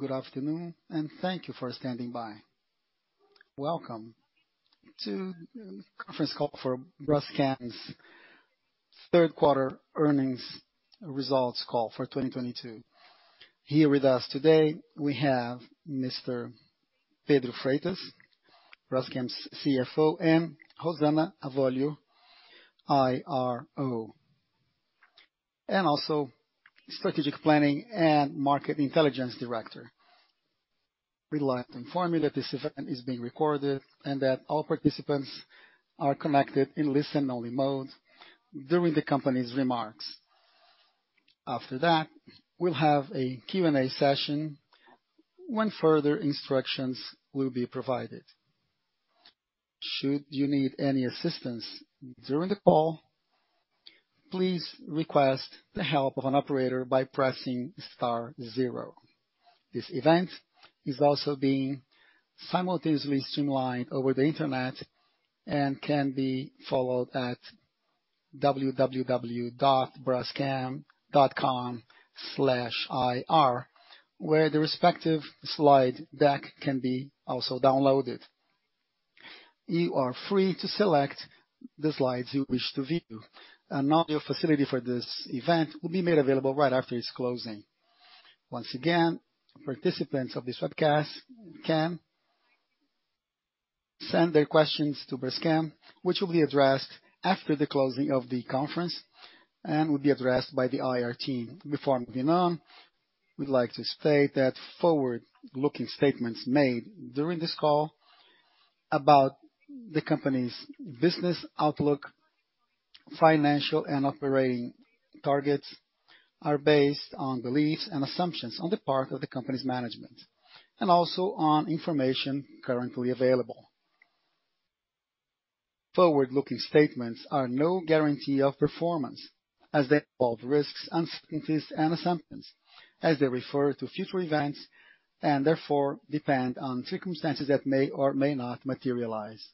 Good afternoon, and thank you for standing by. Welcome to the conference call for Braskem's third quarter earnings results call for 2022. Here with us today we have Mr. Pedro Freitas, Braskem's CFO, and Rosana Avolio, IRO, and also Strategic Planning and Market Intelligence Director. We'd like to inform you that this event is being recorded and that all participants are connected in listen only mode during the company's remarks. After that, we'll have a Q&A session when further instructions will be provided. Should you need any assistance during the call, please request the help of an operator by pressing star zero. This event is also being simultaneously streamlined over the internet and can be followed at www.braskem.com/ir, where the respective slide deck can be also downloaded. You are free to select the slides you wish to view. An audio facility for this event will be made available right after its closing. Once again, participants of this webcast can send their questions to Braskem, which will be addressed after the closing of the conference and will be addressed by the IR team. Before moving on, we'd like to state that forward-looking statements made during this call about the company's business outlook, financial and operating targets are based on beliefs and assumptions on the part of the company's management, and also on information currently available. Forward-looking statements are no guarantee of performance as they involve risks, uncertainties and assumptions as they refer to future events, and therefore depend on circumstances that may or may not materialize.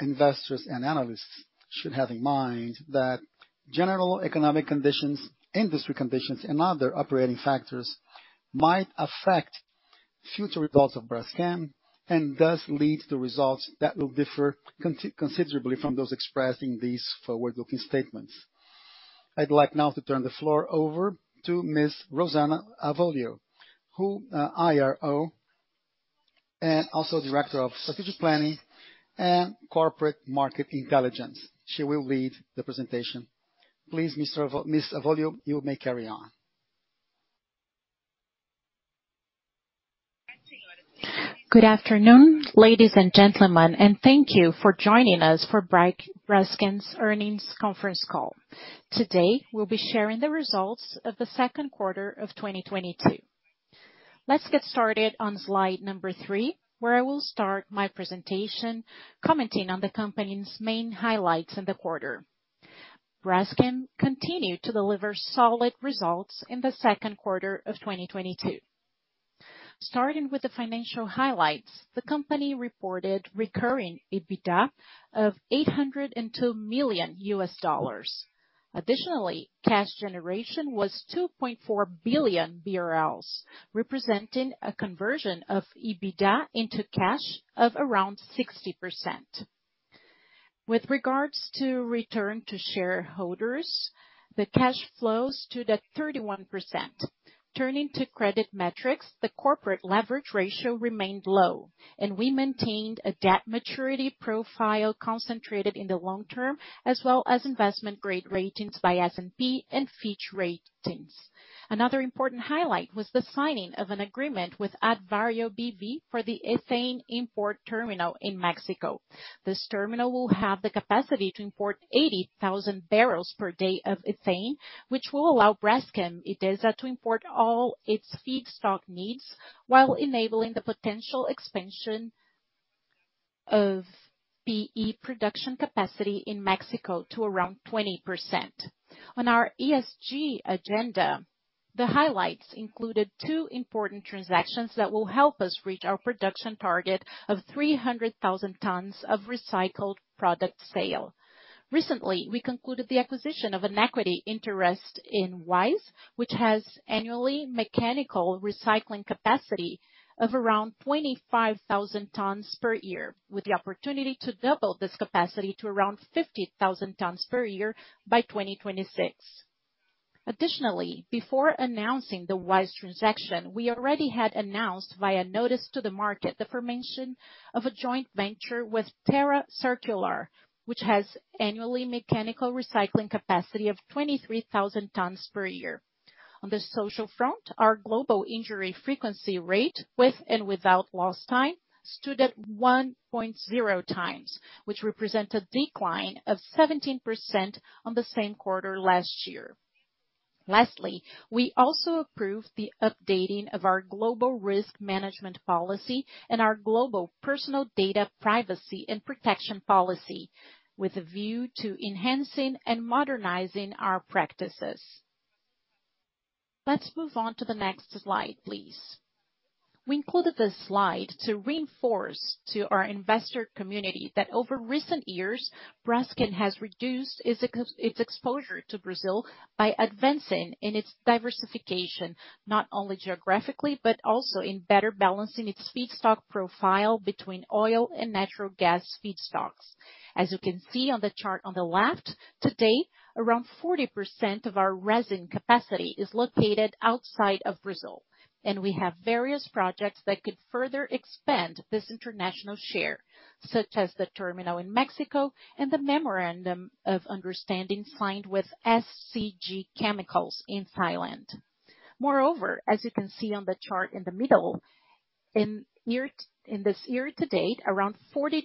Investors and analysts should have in mind that general economic conditions, industry conditions and other operating factors might affect future results of Braskem and thus lead to results that will differ considerably from those expressing these forward-looking statements. I'd like now to turn the floor over to Ms. Rosana Avolio, who, IRO and also Director of Strategic Planning and Corporate Market Intelligence. She will lead the presentation. Please, Ms. Avolio, you may carry on. Good afternoon, ladies and gentlemen, and thank you for joining us for Braskem's earnings conference call. Today we'll be sharing the results of the second quarter of 2022. Let's get started on slide number three, where I will start my presentation commenting on the company's main highlights in the quarter. Braskem continued to deliver solid results in the second quarter of 2022. Starting with the financial highlights, the company reported recurring EBITDA of $802 million. Additionally, cash generation was 2.4 billion BRL, representing a conversion of EBITDA into cash of around 60%. With regards to return to shareholders, the cash flows stood at 31%. Turning to credit metrics, the corporate leverage ratio remained low, and we maintained a debt maturity profile concentrated in the long term, as well as investment grade ratings by S&P and Fitch Ratings. Another important highlight was the signing of an agreement with Advario B.V for the ethane import terminal in Mexico. This terminal will have the capacity to import 80,000 bbl per day of ethane, which will allow Braskem Idesa to import all its feedstock needs while enabling the potential expansion of PE production capacity in Mexico to around 20%. On our ESG agenda, the highlights included two important transactions that will help us reach our production target of 300,000 tons of recycled product sale. Recently, we concluded the acquisition of an equity interest in Wise, which has annual mechanical recycling capacity of around 25,000 tons per year, with the opportunity to double this capacity to around 50,000 tons per year by 2026. Additionally, before announcing the Wise transaction, we already had announced via notice to the market the formation of a joint venture with Terra Circular, which has annually mechanical recycling capacity of 23,000 tons per year. On the social front, our global injury frequency rate, with and without lost time, stood at 1.0x, which represent a decline of 17% on the same quarter last year. Lastly, we also approved the updating of our global risk management policy and our global personal data privacy and protection policy, with a view to enhancing and modernizing our practices. Let's move on to the next slide, please. We included this slide to reinforce to our investor community that over recent years, Braskem has reduced its exposure to Brazil by advancing in its diversification, not only geographically, but also in better balancing its feedstock profile between oil and natural gas feedstocks. As you can see on the chart on the left, to date, around 40% of our resin capacity is located outside of Brazil, and we have various projects that could further expand this international share, such as the terminal in Mexico and the memorandum of understanding signed with SCG Chemicals in Thailand. Moreover, as you can see on the chart in the middle, in this year to date, around 42%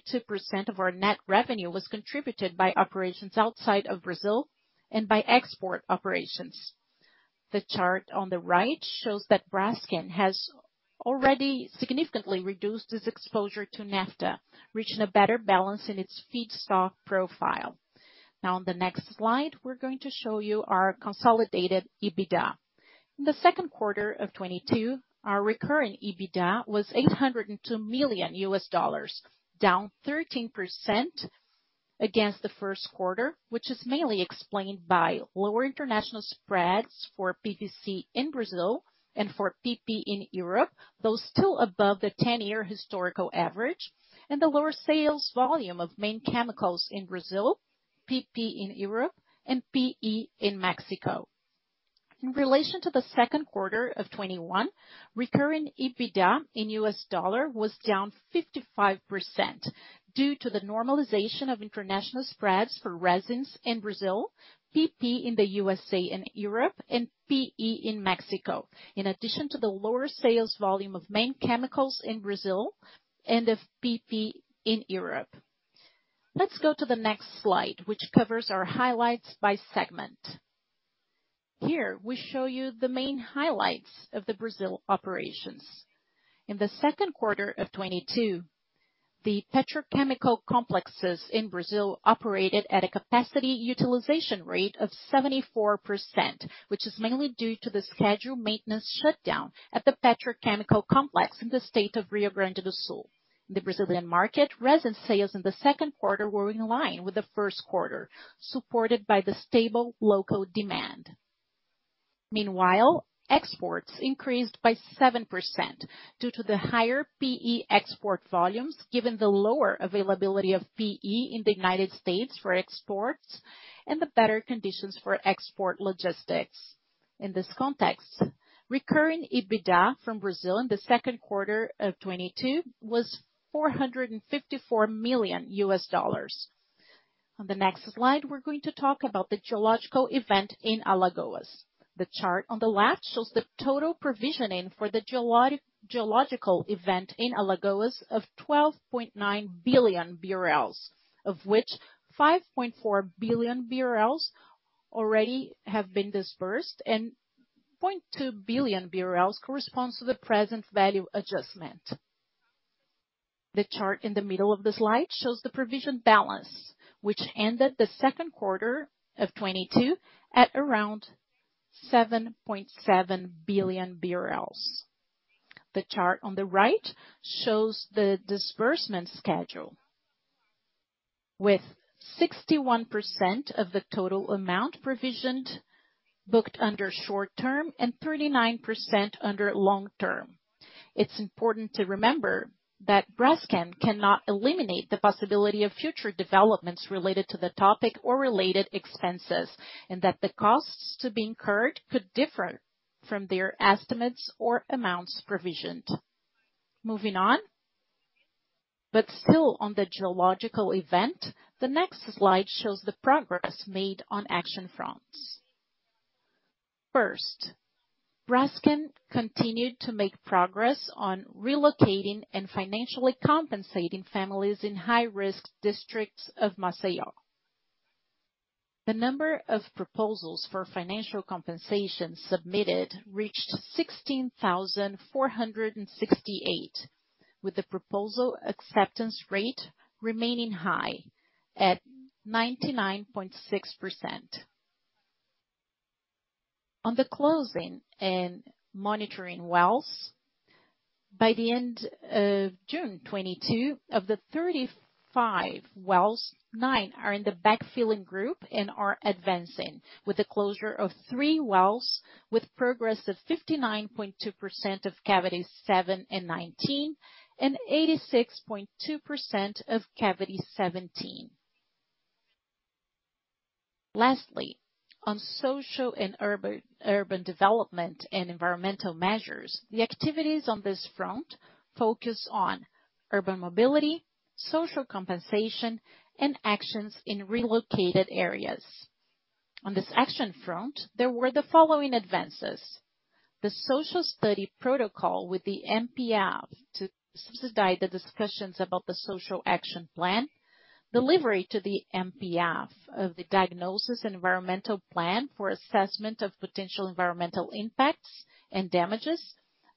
of our net revenue was contributed by operations outside of Brazil and by export operations. The chart on the right shows that Braskem has already significantly reduced its exposure to naphtha, reaching a better balance in its feedstock profile. Now on the next slide, we're going to show you our consolidated EBITDA. In the second quarter of 2022, our recurring EBITDA was $802 million, down 13% against the first quarter, which is mainly explained by lower international spreads for PVC in Brazil and for PP in Europe, though still above the 10-year historical average, and the lower sales volume of main chemicals in Brazil, PP in Europe, and PE in Mexico. In relation to the second quarter of 2021, recurring EBITDA in U.S. dollars was down 55% due to the normalization of international spreads for resins in Brazil, PP in the U.S.A and Europe, and PE in Mexico. In addition to the lower sales volume of main chemicals in Brazil and of PP in Europe. Let's go to the next slide, which covers our highlights by segment. Here, we show you the main highlights of the Brazil operations. In the second quarter of 2022, the petrochemical complexes in Brazil operated at a capacity utilization rate of 74%, which is mainly due to the scheduled maintenance shutdown at the petrochemical complex in the state of Rio Grande do Sul. The Brazilian market resin sales in the second quarter were in line with the first quarter, supported by the stable local demand. Meanwhile, exports increased by 7% due to the higher PE export volumes, given the lower availability of PE in the United States for exports and the better conditions for export logistics. In this context, recurring EBITDA from Brazil in the second quarter of 2022 was $454 million. On the next slide, we're going to talk about the geological event in Alagoas. The chart on the left shows the total provisioning for the geological event in Alagoas of 12.9 billion BRL, of which 5.4 billion BRL already have been disbursed, and 0.2 billion BRL corresponds to the present value adjustment. The chart in the middle of the slide shows the provision balance, which ended the second quarter of 2022 at around 7.7 billion BRL. The chart on the right shows the disbursement schedule with 61% of the total amount provisioned booked under short-term and 39% under long-term. It's important to remember that Braskem cannot eliminate the possibility of future developments related to the topic or related expenses, and that the costs to be incurred could differ from their estimates or amounts provisioned. Moving on, but still on the geological event, the next slide shows the progress made on action fronts. First, Braskem continued to make progress on relocating and financially compensating families in high-risk districts of Maceió. The number of proposals for financial compensation submitted reached 16,468, with the proposal acceptance rate remaining high at 99.6%. On the closing and monitoring wells, by the end of June 2022, of the 35 wells, nine are in the backfilling group and are advancing with the closure of three wells with progress of 59.2% of Cavity 7 and 19, and 86.2% of Cavity 17. Lastly, on social and urban development and environmental measures, the activities on this front focus on urban mobility, social compensation, and actions in relocated areas. On this action front, there were the following advances. The social study protocol with the MPF to subsidize the discussions about the social action plan. Delivery to the MPF of the diagnosis and environmental plan for assessment of potential environmental impacts and damages.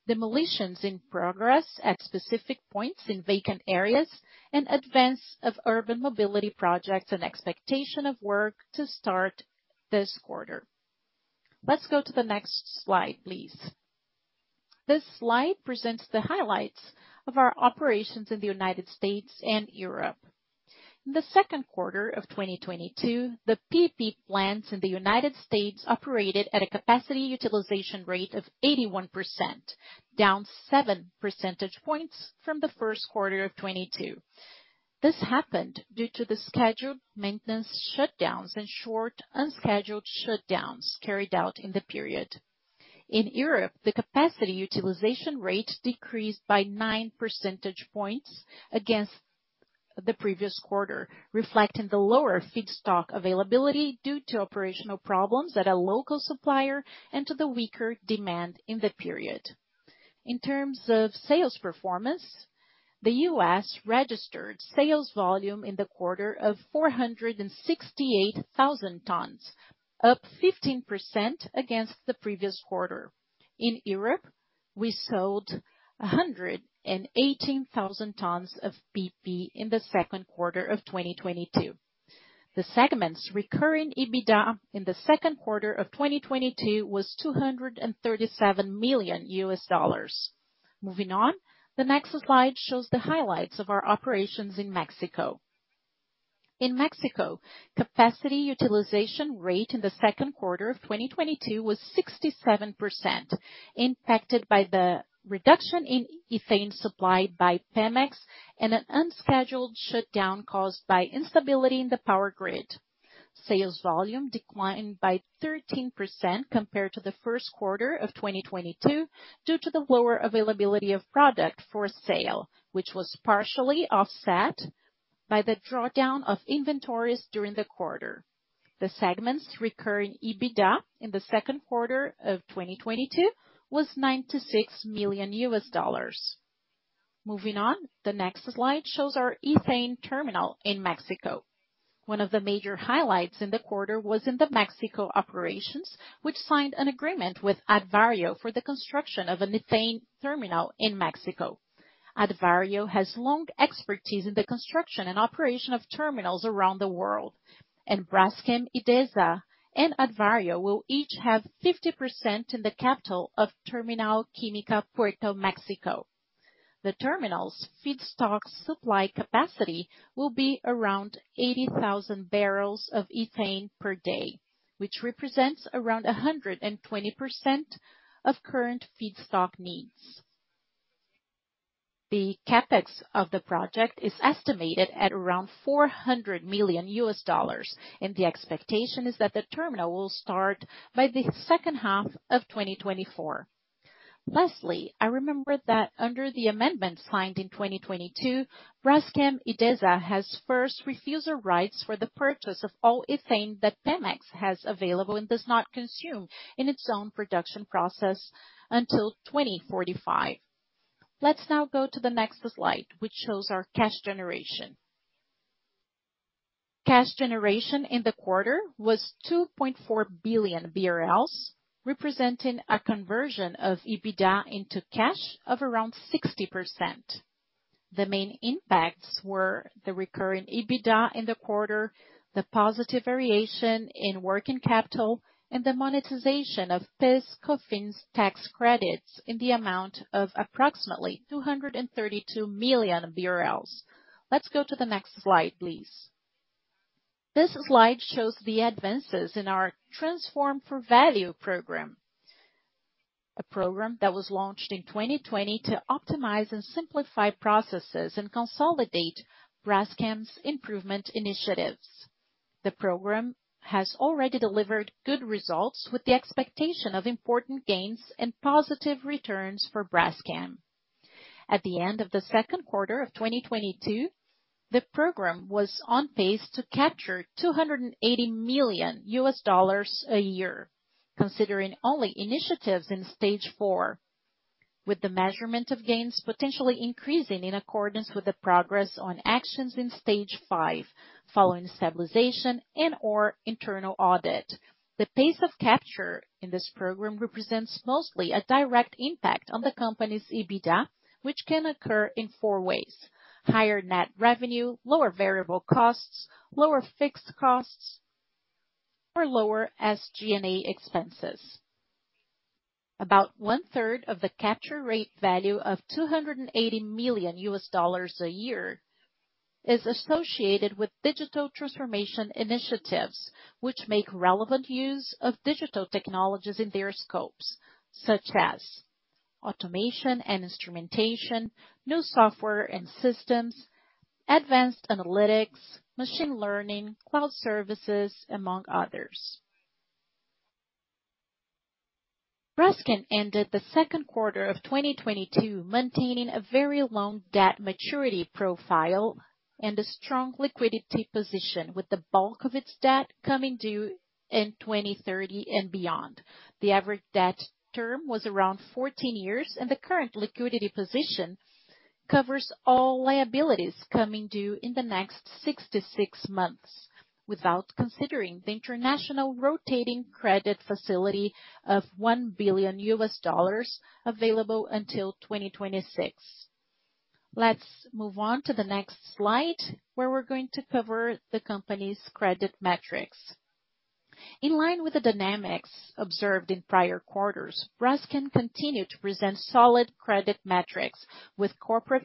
Demolitions in progress at specific points in vacant areas. Advance of urban mobility projects and expectation of work to start this quarter. Let's go to the next slide, please. This slide presents the highlights of our operations in the United States and Europe. In the second quarter of 2022, the PP plants in the United States operated at a capacity utilization rate of 81%, down 7 percentage points from the first quarter of 2022. This happened due to the scheduled maintenance shutdowns and short unscheduled shutdowns carried out in the period. In Europe, the capacity utilization rate decreased by 9 percentage points against the previous quarter, reflecting the lower feedstock availability due to operational problems at a local supplier and to the weaker demand in the period. In terms of sales performance, the U.S. registered sales volume in the quarter of 468,000 tons, up 15% against the previous quarter. In Europe, we sold 118,000 tons of PP in the second quarter of 2022. The segment's recurring EBITDA in the second quarter of 2022 was $237 million. Moving on. The next slide shows the highlights of our operations in Mexico. In Mexico, capacity utilization rate in the second quarter of 2022 was 67%, impacted by the reduction in ethane supplied by PEMEX and an unscheduled shutdown caused by instability in the power grid. Sales volume declined by 13% compared to the first quarter of 2022 due to the lower availability of product for sale, which was partially offset by the drawdown of inventories during the quarter. The segment's recurring EBITDA in the second quarter of 2022 was $96 million. Moving on. The next slide shows our ethane terminal in Mexico. One of the major highlights in the quarter was in the Mexico operations, which signed an agreement with Advario for the construction of an ethane terminal in Mexico. Advario has long expertise in the construction and operation of terminals around the world, and Braskem Idesa and Advario will each have 50% in the capital of Terminal Química Puerto México. The terminal's feedstock supply capacity will be around 80,000 bbl of ethane per day, which represents around 120% of current feedstock needs. The CapEx of the project is estimated at around $400 million, and the expectation is that the terminal will start by the second half of 2024. Lastly, I remember that under the amendment signed in 2022, Braskem Idesa has first refusal rights for the purchase of all ethane that PEMEX has available and does not consume in its own production process until 2045. Let's now go to the next slide, which shows our cash generation. Cash generation in the quarter was 2.4 billion BRL, representing a conversion of EBITDA into cash of around 60%. The main impacts were the recurring EBITDA in the quarter, the positive variation in working capital, and the monetization of PIS/Cofins tax credits in the amount of approximately 232 million BRL. Let's go to the next slide, please. This slide shows the advances in our Transform for Value program, a program that was launched in 2020 to optimize and simplify processes and consolidate Braskem's improvement initiatives. The program has already delivered good results with the expectation of important gains and positive returns for Braskem. At the end of the second quarter of 2022, the program was on pace to capture $280 million a year, considering only initiatives in stage four, with the measurement of gains potentially increasing in accordance with the progress on actions in stage five, following stabilization and/or internal audit. The pace of capture in this program represents mostly a direct impact on the company's EBITDA, which can occur in four ways, higher net revenue, lower variable costs, lower fixed costs, or lower SG&A expenses. About 1/3 of the capture rate value of $280 million a year is associated with digital transformation initiatives, which make relevant use of digital technologies in their scopes, such as automation and instrumentation, new software and systems, advanced analytics, machine learning, cloud services, among others. Braskem ended the second quarter of 2022 maintaining a very long debt maturity profile and a strong liquidity position, with the bulk of its debt coming due in 2030 and beyond. The average debt term was around 14 years, and the current liquidity position covers all liabilities coming due in the next 66 months, without considering the international rotating credit facility of $1 billion available until 2026. Let's move on to the next slide, where we're going to cover the company's credit metrics. In line with the dynamics observed in prior quarters, Braskem continued to present solid credit metrics with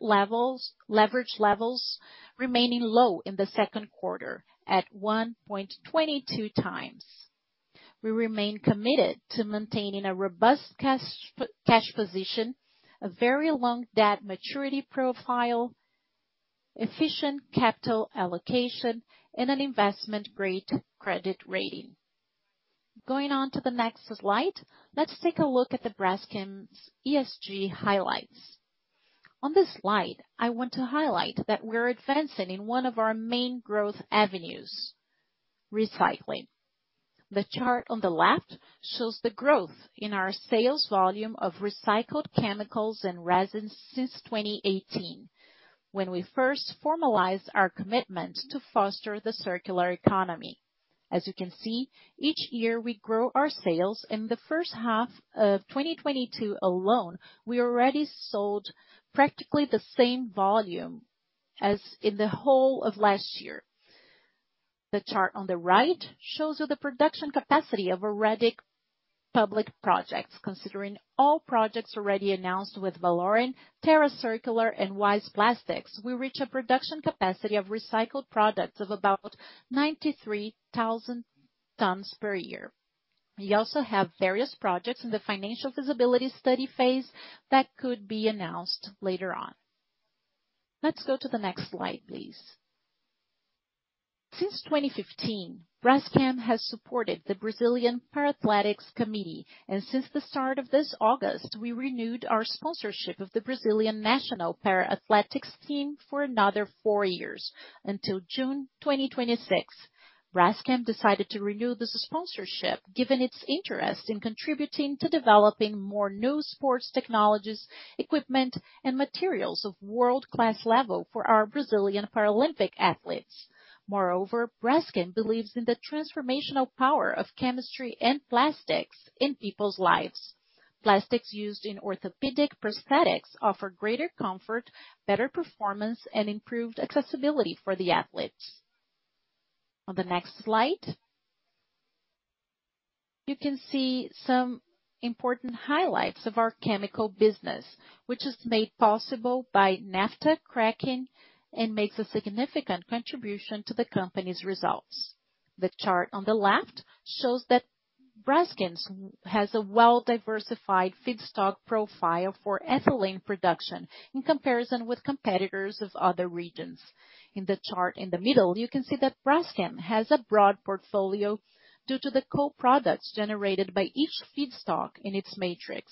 leverage levels remaining low in the second quarter at 1.22x. We remain committed to maintaining a robust cash position, a very long debt maturity profile, efficient capital allocation, and an investment-grade credit rating. Going on to the next slide, let's take a look at Braskem's ESG highlights. On this slide, I want to highlight that we're advancing in one of our main growth avenues, recycling. The chart on the left shows the growth in our sales volume of recycled chemicals and resins since 2018, when we first formalized our commitment to foster the circular economy. As you can see, each year we grow our sales. In the first half of 2022 alone, we already sold practically the same volume as in the whole of last year. The chart on the right shows you the production capacity of already public projects. Considering all projects already announced with Valoren, Terra Circular, and Wise Plásticos, we reach a production capacity of recycled products of about 93,000 tons per year. We also have various projects in the financial feasibility study phase that could be announced later on. Let's go to the next slide, please. Since 2015, Braskem has supported the Brazilian Paralympic Committee, and since the start of this August, we renewed our sponsorship of the Brazilian National Paralympic Athletics team for another four years, until June 2026. Braskem decided to renew this sponsorship given its interest in contributing to developing more new sports technologies, equipment, and materials of world-class level for our Brazilian Paralympic athletes. Moreover, Braskem believes in the transformational power of chemistry and plastics in people's lives. Plastics used in orthopedic prosthetics offer greater comfort, better performance, and improved accessibility for the athletes. On the next slide, you can see some important highlights of our chemical business, which is made possible by naphtha cracking and makes a significant contribution to the company's results. The chart on the left shows that Braskem has a well-diversified feedstock profile for ethylene production in comparison with competitors in other regions. In the chart in the middle, you can see that Braskem has a broad portfolio due to the co-products generated by each feedstock in its matrix.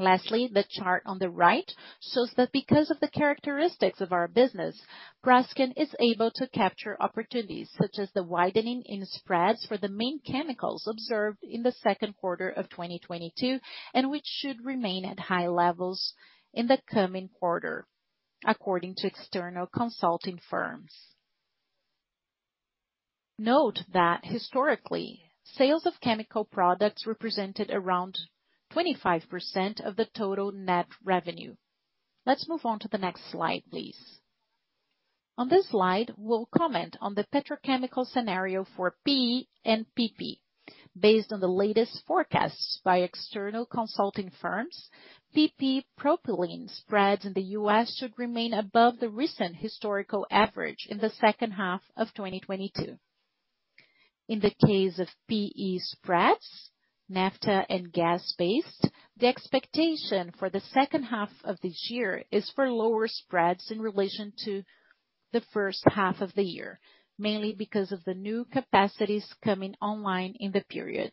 Lastly, the chart on the right shows that because of the characteristics of our business, Braskem is able to capture opportunities, such as the widening in spreads for the main chemicals observed in the second quarter of 2022, and which should remain at high levels in the coming quarter, according to external consulting firms. Note that historically, sales of chemical products represented around 25% of the total net revenue. Let's move on to the next slide, please. On this slide, we'll comment on the petrochemical scenario for PE and PP. Based on the latest forecasts by external consulting firms, PP propylene spreads in the U.S. should remain above the recent historical average in the second half of 2022. In the case of PE spreads, naphtha and gas-based, the expectation for the second half of this year is for lower spreads in relation to the first half of the year, mainly because of the new capacities coming online in the period.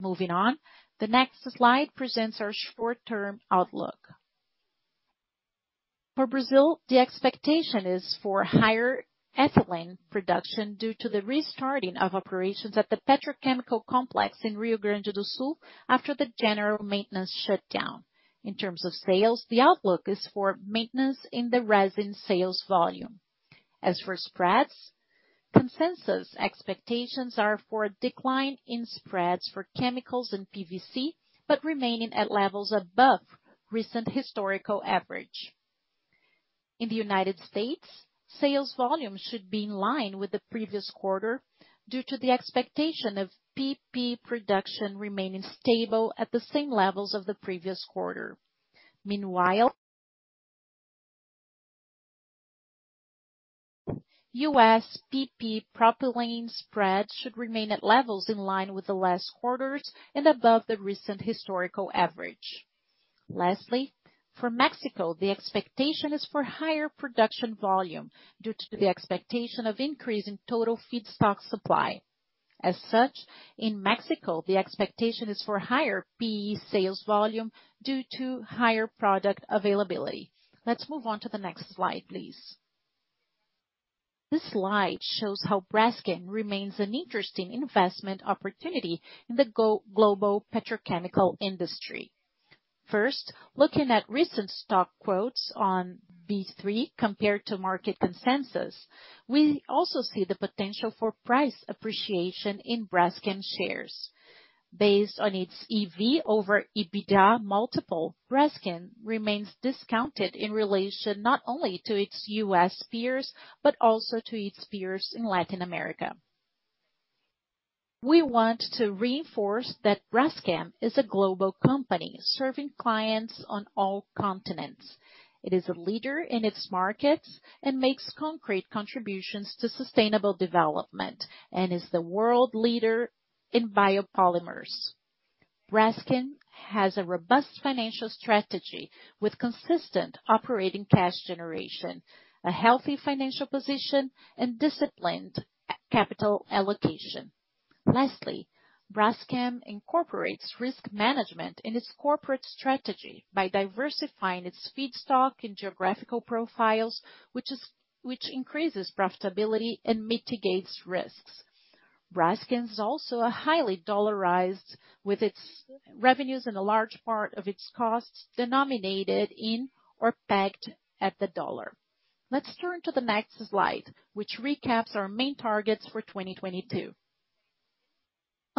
Moving on, the next slide presents our short-term outlook. For Brazil, the expectation is for higher ethylene production due to the restarting of operations at the petrochemical complex in Rio Grande do Sul after the general maintenance shutdown. In terms of sales, the outlook is for maintenance in the resin sales volume. As for spreads, consensus expectations are for a decline in spreads for chemicals and PVC, but remaining at levels above recent historical average. In the United States, sales volume should be in line with the previous quarter due to the expectation of PP production remaining stable at the same levels of the previous quarter. Meanwhile, U.S. PP propylene spread should remain at levels in line with the last quarters and above the recent historical average. Lastly, for Mexico, the expectation is for higher production volume due to the expectation of increase in total feedstock supply. As such, in Mexico, the expectation is for higher PE sales volume due to higher product availability. Let's move on to the next slide, please. This slide shows how Braskem remains an interesting investment opportunity in the go-global petrochemical industry. First, looking at recent stock quotes on B3 compared to market consensus, we also see the potential for price appreciation in Braskem shares. Based on its EV over EBITDA multiple, Braskem remains discounted in relation not only to its U.S. peers, but also to its peers in Latin America. We want to reinforce that Braskem is a global company serving clients on all continents. It is a leader in its markets and makes concrete contributions to sustainable development, and is the world leader in biopolymers. Braskem has a robust financial strategy with consistent operating cash generation, a healthy financial position and disciplined capital allocation. Lastly, Braskem incorporates risk management in its corporate strategy by diversifying its feedstock and geographical profiles, which increases profitability and mitigates risks. Braskem is also highly dollarized with its revenues and a large part of its costs denominated in or pegged at the dollar. Let's turn to the next slide, which recaps our main targets for 2022.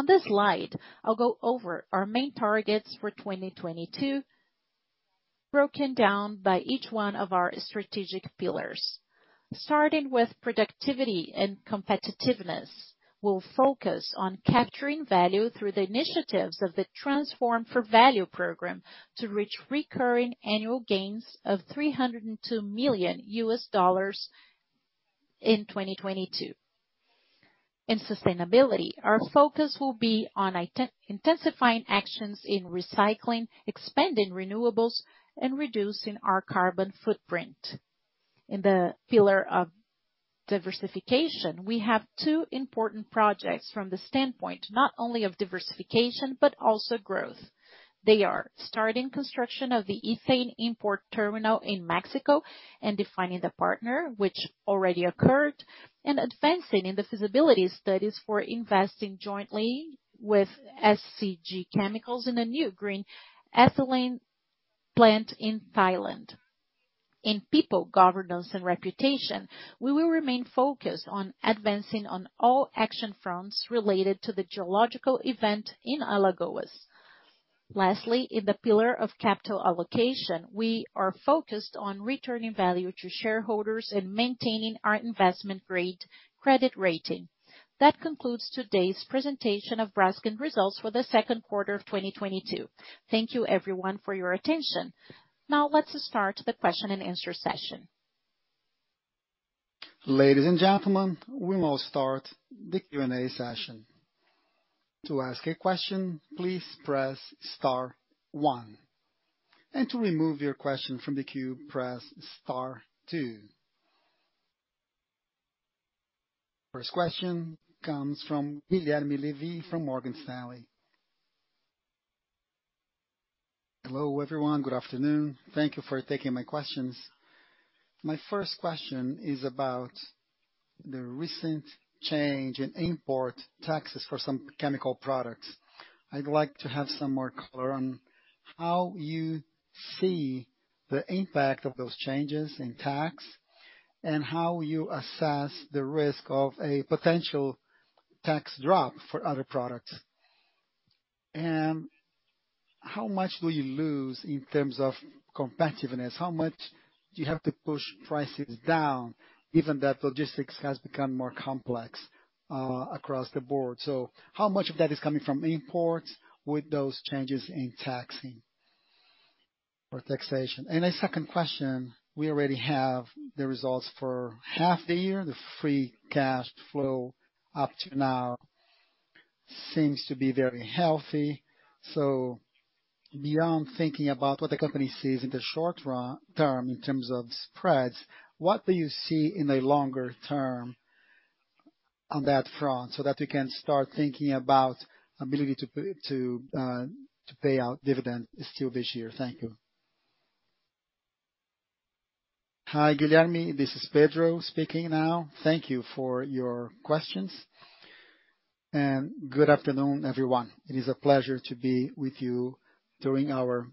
On this slide, I'll go over our main targets for 2022, broken down by each one of our strategic pillars. Starting with productivity and competitiveness, we'll focus on capturing value through the initiatives of the Transform for Value program to reach recurring annual gains of $302 million in 2022. In sustainability, our focus will be on intensifying actions in recycling, expanding renewables, and reducing our carbon footprint. In the pillar of diversification, we have two important projects from the standpoint not only of diversification but also growth. They are starting construction of the ethane import terminal in Mexico and defining the partner which already occurred, and advancing in the feasibility studies for investing jointly with SCG Chemicals in a new green ethylene plant in Thailand. In people, governance, and reputation, we will remain focused on advancing on all action fronts related to the geological event in Alagoas. Lastly, in the pillar of capital allocation, we are focused on returning value to shareholders and maintaining our investment-grade credit rating. That concludes today's presentation of Braskem results for the second quarter of 2022. Thank you everyone for your attention. Now let's start the question and answer session. Ladies and gentlemen, we will start the Q&A session. To ask a question, please press star one. To remove your question from the queue, press star two. First question comes from Guilherme Levy from Morgan Stanley. Hello, everyone. Good afternoon. Thank you for taking my questions. My first question is about the recent change in import taxes for some chemical products. I'd like to have some more color on how you see the impact of those changes in tax, and how you assess the risk of a potential tax drop for other products. How much will you lose in terms of competitiveness? How much do you have to push prices down, given that logistics has become more complex, across the board? How much of that is coming from imports with those changes in taxing or taxation? A second question, we already have the results for half the year. The free cash flow up to now seems to be very healthy. Beyond thinking about what the company sees in the short-term in terms of spreads, what do you see in the longer term on that front so that we can start thinking about ability to pay out dividend still this year? Thank you. Hi, Guilherme. This is Pedro speaking now. Thank you for your questions. Good afternoon, everyone. It is a pleasure to be with you during our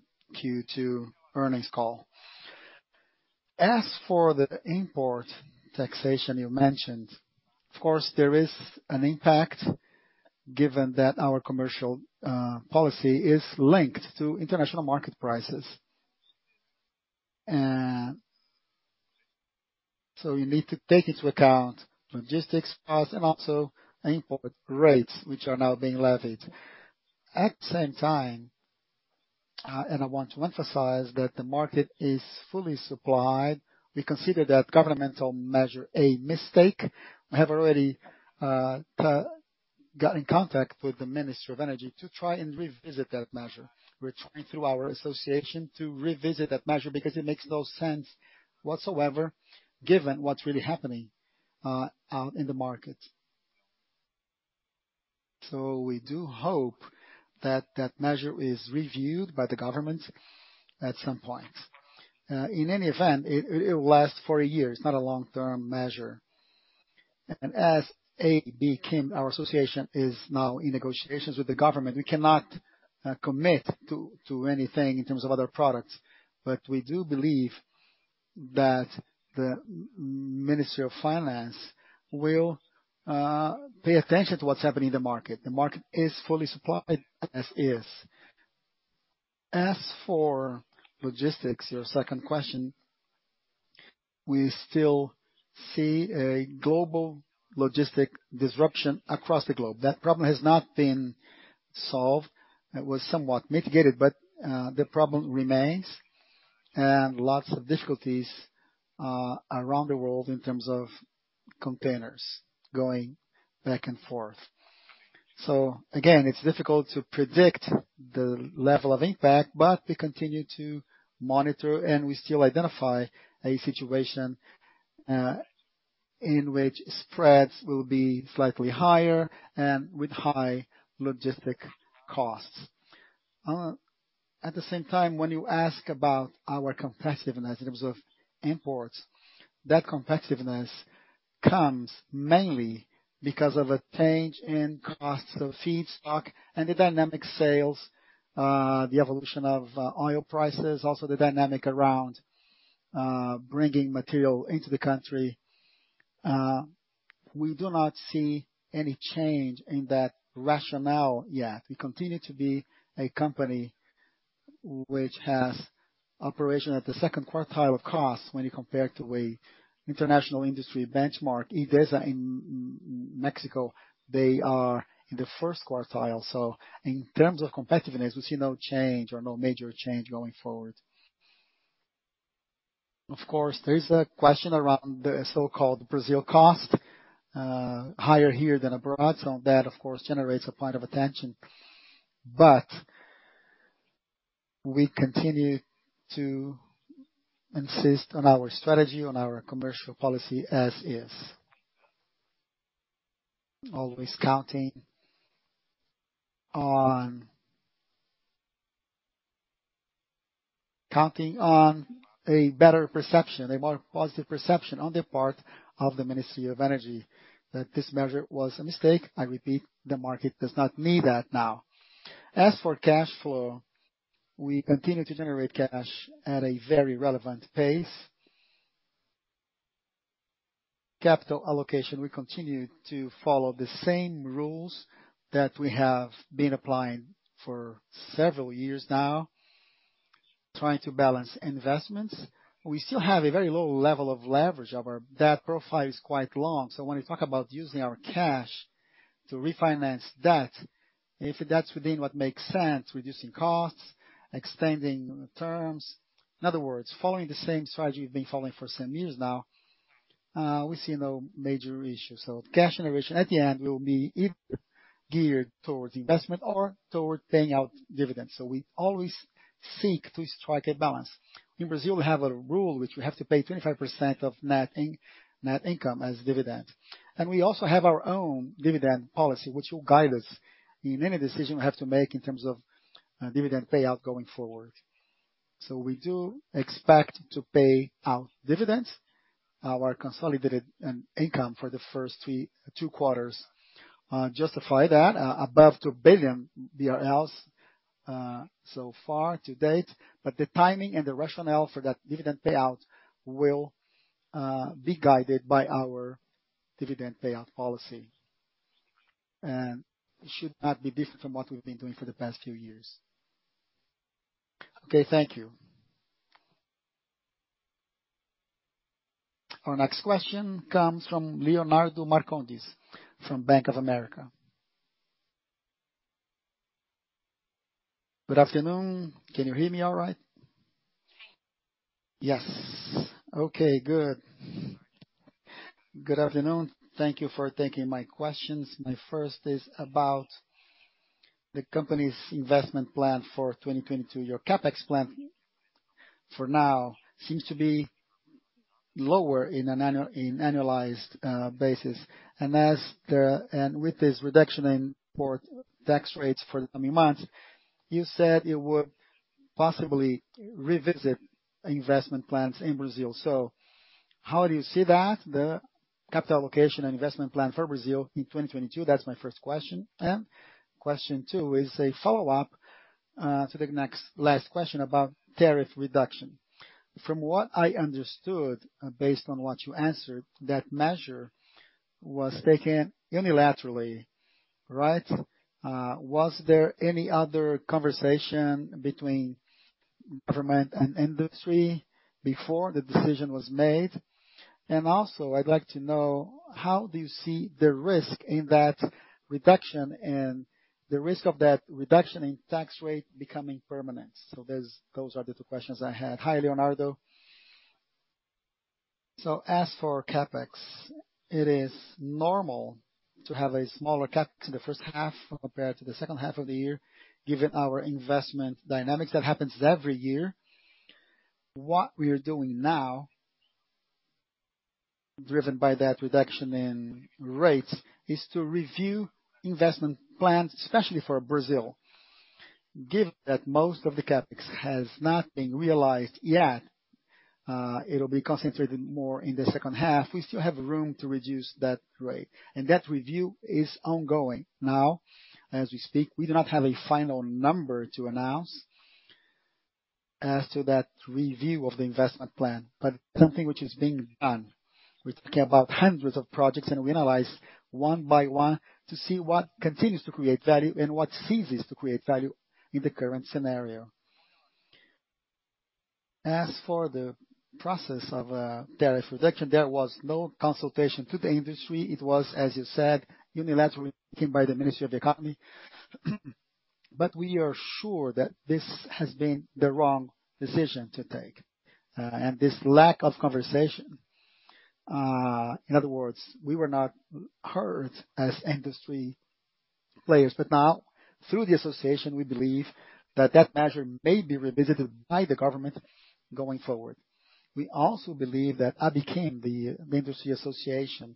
Q2 earnings call. As for the import taxation you mentioned, of course, there is an impact given that our commercial policy is linked to international market prices. You need to take into account logistics costs and also import rates, which are now being levied. At the same time, I want to emphasize that the market is fully supplied. We consider that governmental measure a mistake. We have already got in contact with the Ministry of Energy to try and revisit that measure. We're trying through our association to revisit that measure because it makes no sense whatsoever given what's really happening out in the market. We do hope that that measure is reviewed by the government at some point. In any event, it will last for a year. It's not a long-term measure. As ABIQUIM, our association, is now in negotiations with the government, we cannot commit to anything in terms of other products. We do believe that the Ministry of Finance will pay attention to what's happening in the market. The market is fully supplied as is. As for logistics, your second question, we still see a global logistics disruption across the globe. That problem has not been solved. It was somewhat mitigated, but the problem remains, and lots of difficulties around the world in terms of containers going back and forth. Again, it's difficult to predict the level of impact, but we continue to monitor, and we still identify a situation in which spreads will be slightly higher and with high logistics costs. At the same time, when you ask about our competitiveness in terms of imports, that competitiveness comes mainly because of a change in costs of feedstock and the dynamics of sales, the evolution of oil prices, also the dynamics around bringing material into the country. We do not see any change in that rationale yet. We continue to be a company which has operations at the second quartile of costs when you compare to an international industry benchmark. Idesa in Mexico, they are in the first quartile. In terms of competitiveness, we see no change or no major change going forward. Of course, there is a question around the so-called Brazil cost, higher here than abroad, so that of course generates a point of attention. We continue to insist on our strategy, on our commercial policy as is. Always counting on a better perception, a more positive perception on the part of the Ministry of Energy, that this measure was a mistake. I repeat, the market does not need that now. As for cash flow, we continue to generate cash at a very relevant pace. Capital allocation, we continue to follow the same rules that we have been applying for several years now, trying to balance investments. We still have a very low level of leverage. Our debt profile is quite long. When we talk about using our cash to refinance debt, if that's within what makes sense, reducing costs, extending terms. In other words, following the same strategy we've been following for some years now, we see no major issues. Cash generation at the end will be either geared towards investment or toward paying out dividends. We always seek to strike a balance. In Brazil, we have a rule which we have to pay 25% of net income as dividend. We also have our own dividend policy, which will guide us in any decision we have to make in terms of dividend payout going forward. We do expect to pay out dividends. Our consolidated income for the first two quarters justify that, above 2 billion BRL so far to date. The timing and the rationale for that dividend payout will be guided by our dividend payout policy. It should not be different from what we've been doing for the past few years. Okay, thank you. Our next question comes from Leonardo Marcondes from Bank of America. Good afternoon. Can you hear me all right? Yes. Okay, good. Good afternoon. Thank you for taking my questions. My first is about the company's investment plan for 2022. Your CapEx plan for now seems to be lower on an annualized basis. With this reduction in import tax rates for the coming months, you said you would possibly revisit investment plans in Brazil. How do you see that, the capital allocation and investment plan for Brazil in 2022? That's my first question. Question two is a follow-up to the last question about tariff reduction. From what I understood, based on what you answered, that measure was taken unilaterally, right? Was there any other conversation between government and industry before the decision was made? Also, I'd like to know how do you see the risk in that reduction and the risk of that reduction in tax rate becoming permanent? Those are the two questions I had. Hi, Leonardo. As for CapEx, it is normal to have a smaller CapEx in the first half compared to the second half of the year, given our investment dynamics. That happens every year. What we are doing now, driven by that reduction in rates, is to review investment plans, especially for Brazil. Given that most of the CapEx has not been realized yet, it'll be concentrated more in the second half. We still have room to reduce that rate, and that review is ongoing. Now, as we speak, we do not have a final number to announce as to that review of the investment plan, but something which is being done. We're talking about hundreds of projects, and we analyze one by one to see what continues to create value and what ceases to create value in the current scenario. As for the process of tariff reduction, there was no consultation to the industry. It was, as you said, unilaterally taken by the Ministry of Economy. We are sure that this has been the wrong decision to take, and this lack of conversation. In other words, we were not heard as industry players. Now, through the association, we believe that that measure may be revisited by the government going forward. We also believe that ABIQUIM, the industry association,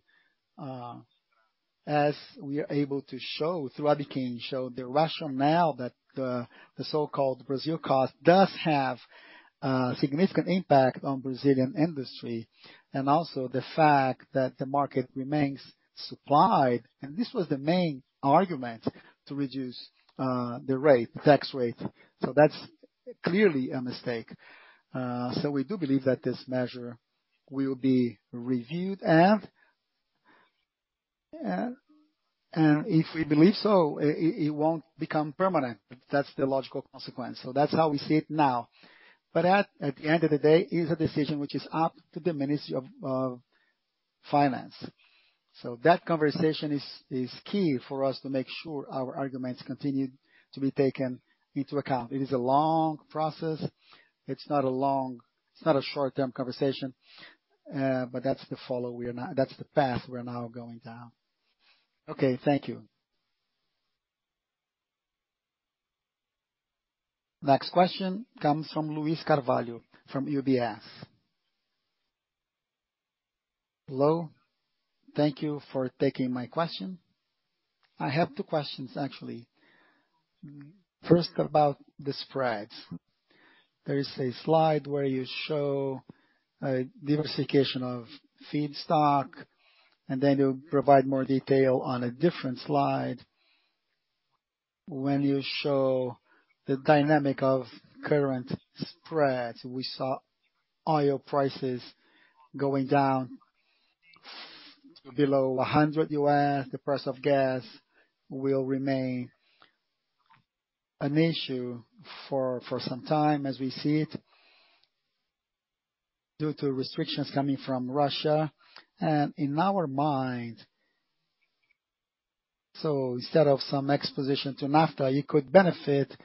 as we are able to show through ABIQUIM, show the rationale that the so-called Brazil cost does have significant impact on Brazilian industry, and also the fact that the market remains supplied. This was the main argument to reduce the rate, tax rate. That's clearly a mistake. We do believe that this measure will be reviewed and if we believe so, it won't become permanent. That's the logical consequence. That's how we see it now. At the end of the day, it is a decision which is up to the Ministry of Finance. That conversation is key for us to make sure our arguments continue to be taken into account. It is a long process. It's not a short-term conversation, but that's the path we are now going down. Okay, thank you. Next question comes from Luiz Carvalho from UBS. Hello. Thank you for taking my question. I have two questions, actually. First, about the spreads. There is a slide where you show a diversification of feedstock, and then you provide more detail on a different slide when you show the dynamic of current spreads. We saw oil prices going down below $100. The price of gas will remain an issue for some time as we see it, due to restrictions coming from Russia. In our mind, instead of some exposure to naphtha, you could benefit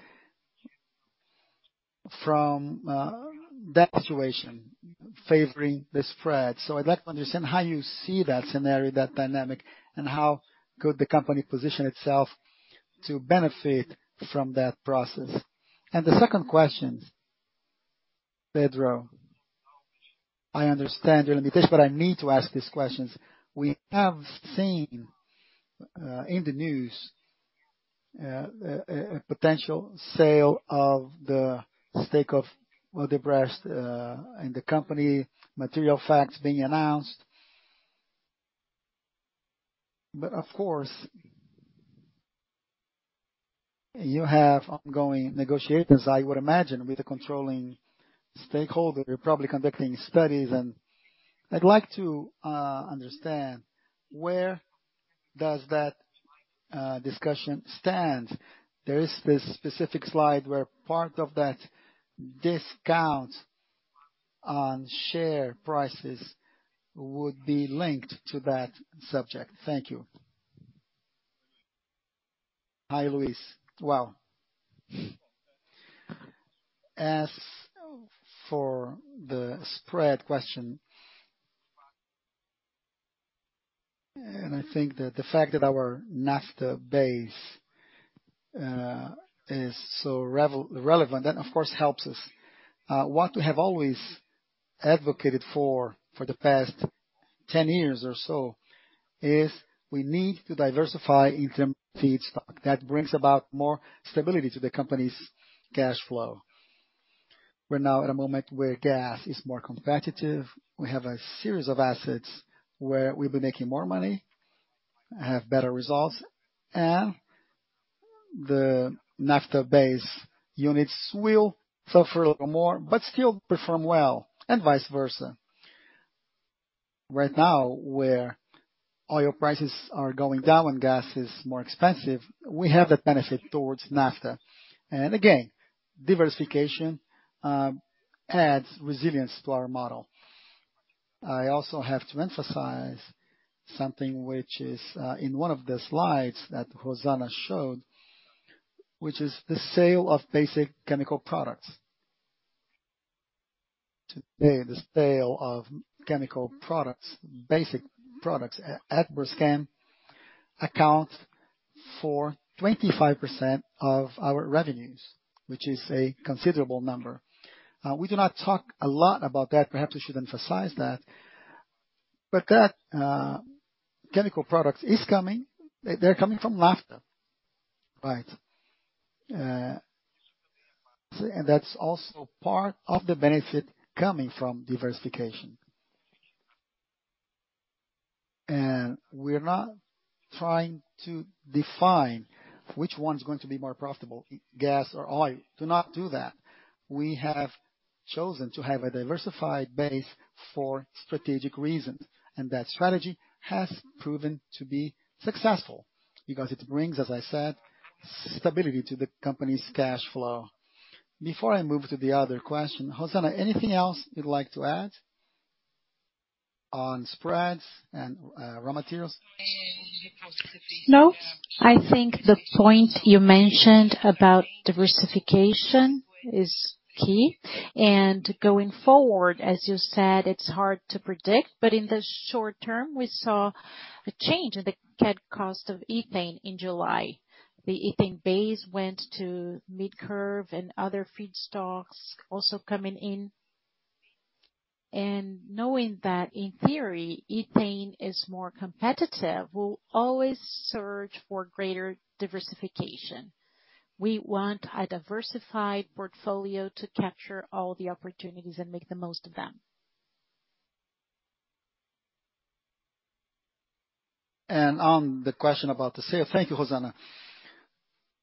from that situation favoring the spread. I'd like to understand how you see that scenario, that dynamic, and how could the company position itself to benefit from that process. The second question, Pedro, I understand your limitation, but I need to ask these questions. We have seen in the news a potential sale of the stake of Odebrecht and the company material facts being announced. Of course, you have ongoing negotiations, I would imagine, with the controlling stakeholder. You're probably conducting studies. I'd like to understand where does that discussion stand. There is this specific slide where part of that discount on share prices would be linked to that subject? Thank you. Hi, Luiz. Wow. As for the spread question, I think that the fact that our naphtha base is so relevant, that of course helps us. What we have always advocated for the past 10 years or so is we need to diversify interim feedstock. That brings about more stability to the company's cash flow. We're now at a moment where gas is more competitive. We have a series of assets where we'll be making more money, have better results, and the naphtha-based units will suffer a little more, but still perform well, and vice versa. Right now, where oil prices are going down and gas is more expensive, we have that benefit towards naphtha. Again, diversification adds resilience to our model. I also have to emphasize something which is, in one of the slides that Rosana showed, which is the sale of basic chemical products. Today, the sale of chemical products, basic products at Braskem account for 25% of our revenues, which is a considerable number. We do not talk a lot about that. Perhaps we should emphasize that. But that, chemical product is coming. They're coming from naphtha, right? And that's also part of the benefit coming from diversification. We're not trying to define which one's going to be more profitable, gas or oil. Do not do that. We have chosen to have a diversified base for strategic reasons, and that strategy has proven to be successful because it brings, as I said, stability to the company's cash flow. Before I move to the other question, Rosana, anything else you'd like to add on spreads and raw materials? No. I think the point you mentioned about diversification is key. Going forward, as you said, it's hard to predict. In the short term, we saw a change in the cost of ethane in July. The ethane base went to mid-curve and other feedstocks also coming in. Knowing that, in theory, ethane is more competitive, we'll always search for greater diversification. We want a diversified portfolio to capture all the opportunities and make the most of them. On the question about the sale, thank you, Rosana.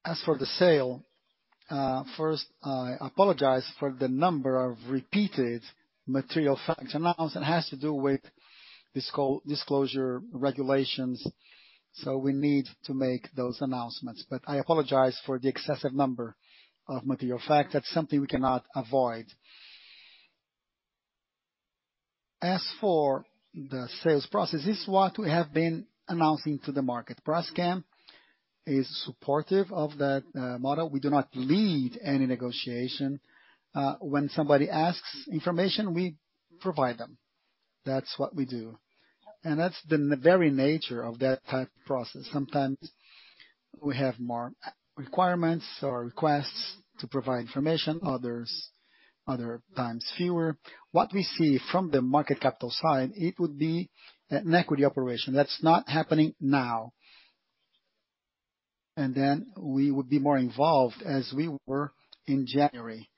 As for the sale, first, I apologize for the number of repeated material facts announced. It has to do with disclosure regulations, so we need to make those announcements. I apologize for the excessive number of material fact. That's something we cannot avoid. As for the sales process, this is what we have been announcing to the market. Braskem is supportive of that, model. We do not lead any negotiation. When somebody asks information, we provide them. That's what we do. That's the very nature of that type of process. Sometimes we have more requirements or requests to provide information, others, other times, fewer. What we see from the market capital side, it would be an equity operation. That's not happening now. Then we would be more involved as we were in January.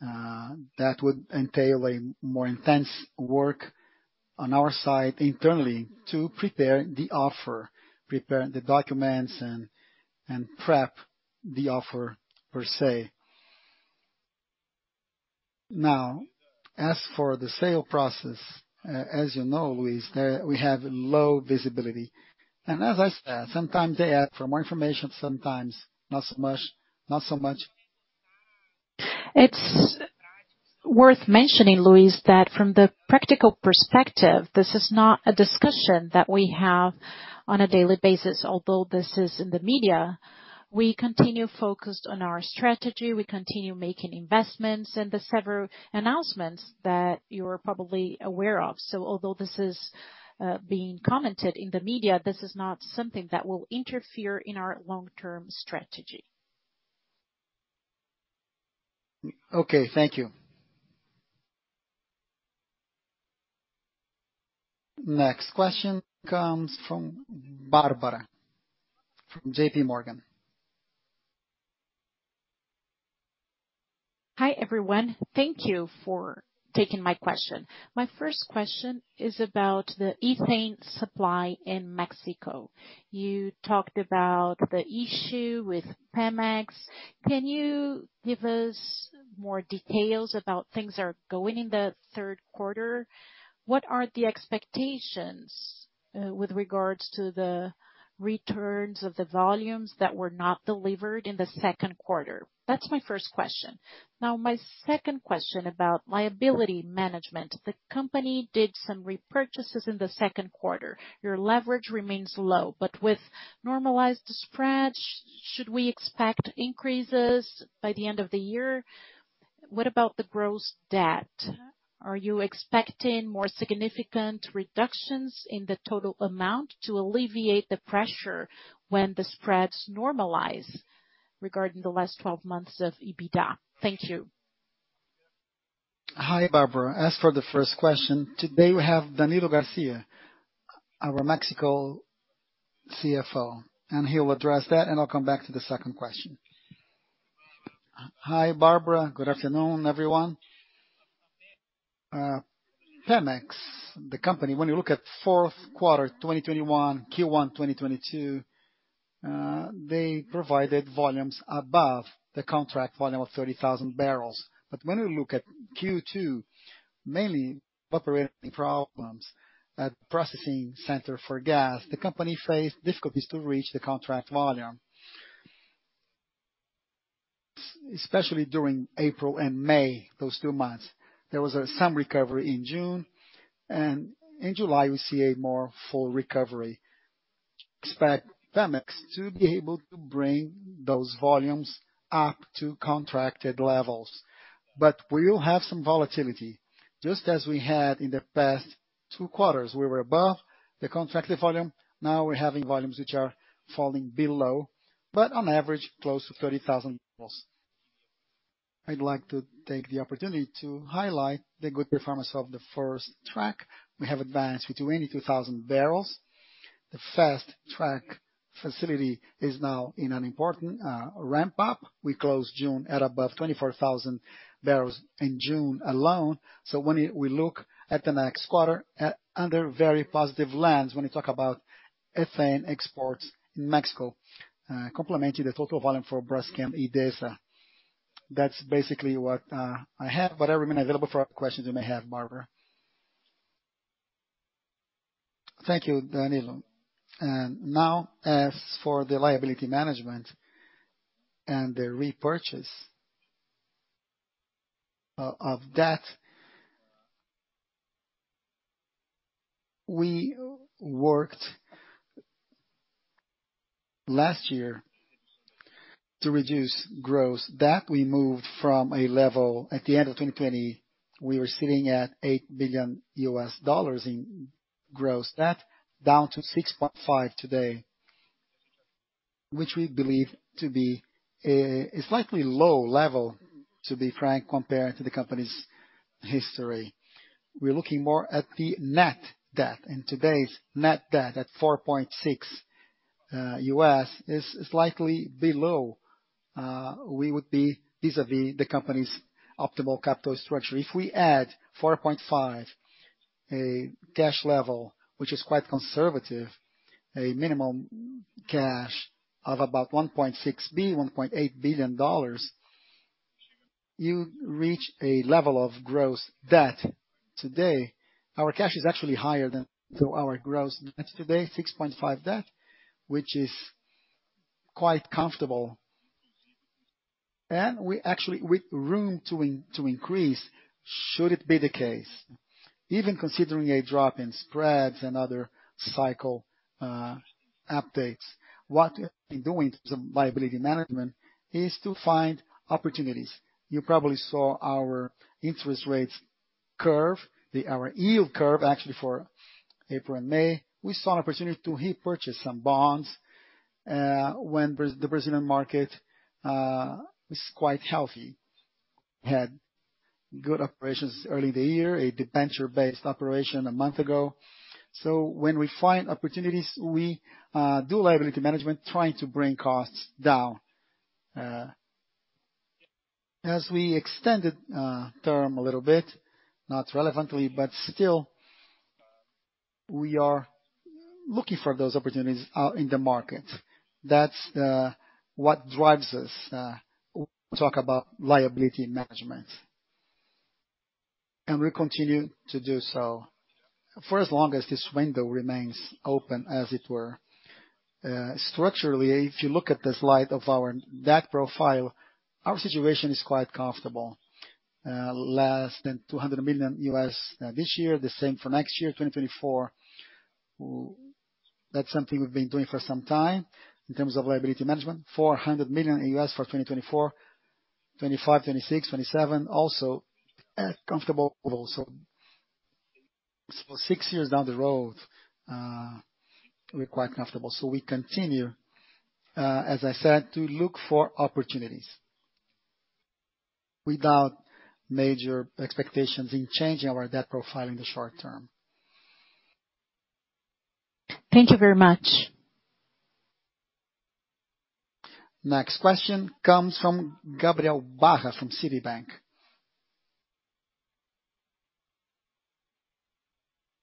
That would entail a more intense work on our side internally to prepare the offer, prepare the documents and prep the offer per se. Now, as for the sale process, as you know, Luiz, we have low visibility. As I said, sometimes they ask for more information, sometimes not so much. It's worth mentioning, Luiz, that from the practical perspective, this is not a discussion that we have on a daily basis. Although this is in the media, we continue focused on our strategy. We continue making investments and the several announcements that you are probably aware of. Although this is being commented in the media, this is not something that will interfere in our long-term strategy. Okay. Thank you. Next question comes from Barbara from JPMorgan. Hi, everyone. Thank you for taking my question. My first question is about the ethane supply in Mexico. You talked about the issue with PEMEX. Can you give us more details about things that are going on in the third quarter? What are the expectations with regards to the returns of the volumes that were not delivered in the second quarter? That's my first question. Now, my second question about liability management. The company did some repurchases in the second quarter. Your leverage remains low, but with normalized spreads, should we expect increases by the end of the year? What about the gross debt? Are you expecting more significant reductions in the total amount to alleviate the pressure when the spreads normalize regarding the last 12 months of EBITDA? Thank you. Hi, Barbara. As for the first question, today we have Danilo Garcez, our Mexico CFO, and he'll address that, and I'll come back to the second question. Hi, Barbara. Good afternoon, everyone. PEMEX, the company, when you look at fourth quarter 2021, Q1 2022, they provided volumes above the contract volume of 30,000 bbl. When we look at Q2, mainly operating problems at processing center for gas, the company faced difficulties to reach the contract volume. Especially during April and May, those two months. There was some recovery in June, and in July we see a more full recovery. Expect PEMEX to be able to bring those volumes up to contracted levels. We will have some volatility, just as we had in the past two quarters. We were above the contracted volume. Now we're having volumes which are falling below, but on average, close to 30,000 bbl. I'd like to take the opportunity to highlight the good performance of the Fast Track. We have advanced to 22,000 bbl. The Fast Track facility is now in an important ramp up. We closed June at above 24,000 bbl in June alone. When we look at the next quarter under very positive lens, when you talk about ethane exports in Mexico complementing the total volume for Braskem Idesa. That's basically what I have, but I remain available for questions you may have, Barbara. Thank you, Danilo. Now, as for the liability management and the repurchase of debt, we worked last year to reduce gross debt. At the end of 2020, we were sitting at $8 billion in gross debt, down to $6.5 billion today, which we believe to be a slightly low level, to be frank, compared to the company's history. We're looking more at the net debt, and today's net debt at $4.6 billion is slightly below we would be vis-à-vis the company's optimal capital structure. If we add $4.5 billion, a cash level, which is quite conservative, a minimum cash of about $1.6 billion, $1.8 billion, you reach a level of gross debt today. Our cash is actually higher than our gross today, $6.5 billion debt, which is quite comfortable. We actually have room to increase should it be the case. Even considering a drop in spreads and other cycle updates, what we've been doing to some liability management is to find opportunities. You probably saw our interest rate curve, our yield curve actually for April and May. We saw an opportunity to repurchase some bonds, when the Brazilian market was quite healthy. Had good operations early in the year, a debenture-based operation a month ago. When we find opportunities, we do liability management, trying to bring costs down. As we extended term a little bit, not relevantly, but still, we are looking for those opportunities out in the market. That's what drives us. We talk about liability management. We continue to do so for as long as this window remains open, as it were. Structurally, if you look at the slide of our debt profile, our situation is quite comfortable. Less than $200 million this year, the same for next year, 2024. That's something we've been doing for some time in terms of liability management. $400 million for 2024, 2025, 2026, 2027 also at comfortable levels. Six years down the road, we're quite comfortable. We continue, as I said, to look for opportunities without major expectations in changing our debt profile in the short term. Thank you very much. Next question comes from Gabriel Barra from Citibank.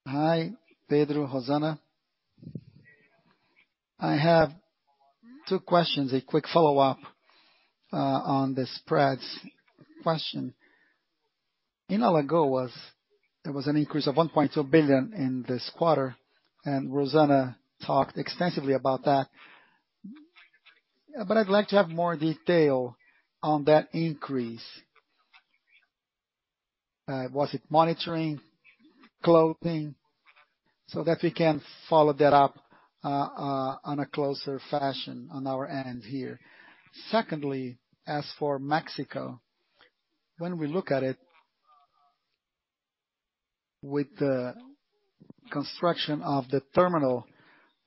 Hi, Pedro, Rosana. I have two questions, a quick follow-up on the spreads question. In Alagoas, there was an increase of 1.2 billion in this quarter, and Rosana talked extensively about that. I'd like to have more detail on that increase. Was it monitoring, closing. That we can follow that up on a closer fashion on our end here. Secondly, as for Mexico, when we look at it with the construction of the terminal,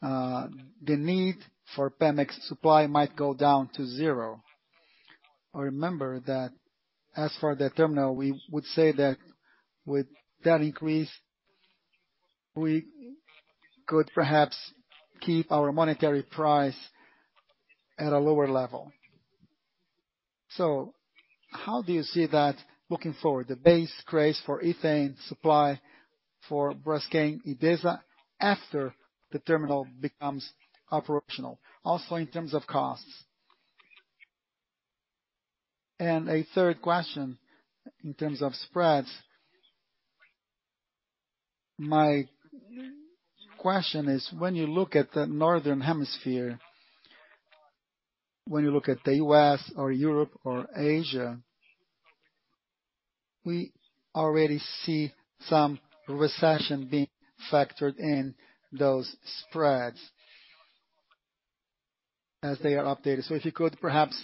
the need for PEMEX supply might go down to zero. I remember that as for the terminal, we would say that with that increase, we could perhaps keep our monthly price at a lower level. How do you see that looking forward, the base case for ethane supply for Braskem Idesa after the terminal becomes operational, also in terms of costs? And a third question in terms of spreads. My question is, when you look at the Northern Hemisphere, when you look at the U.S. or Europe or Asia, we already see some recession being factored in those spreads as they are updated. If you could perhaps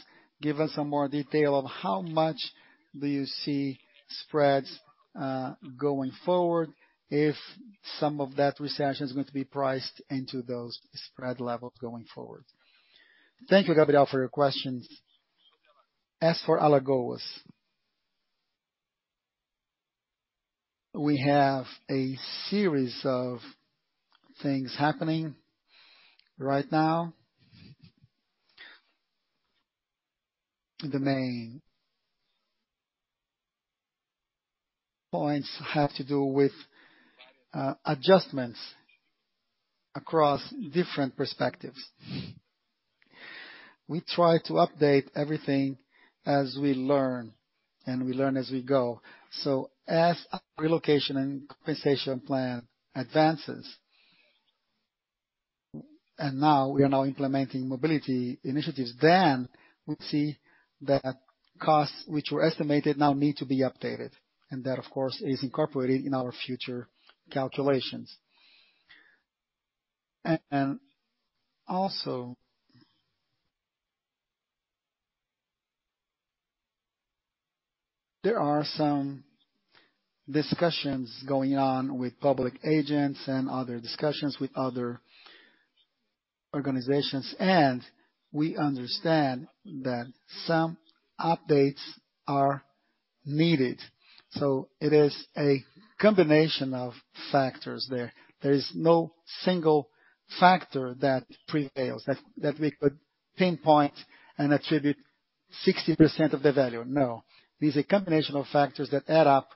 give us some more detail of how much do you see spreads going forward if some of that recession is going to be priced into those spread levels going forward. Thank you, Gabriel, for your questions. As for Alagoas. We have a series of things happening right now. The main points have to do with adjustments across different perspectives. We try to update everything as we learn and we learn as we go. As our relocation and compensation plan advances, and now we are implementing mobility initiatives, then we see that costs which were estimated now need to be updated. That, of course, is incorporated in our future calculations. There are some discussions going on with public agents and other discussions with other organizations, and we understand that some updates are needed. It is a combination of factors there. There is no single factor that prevails, that we could pinpoint and attribute 60% of the value. No. There's a combination of factors that add up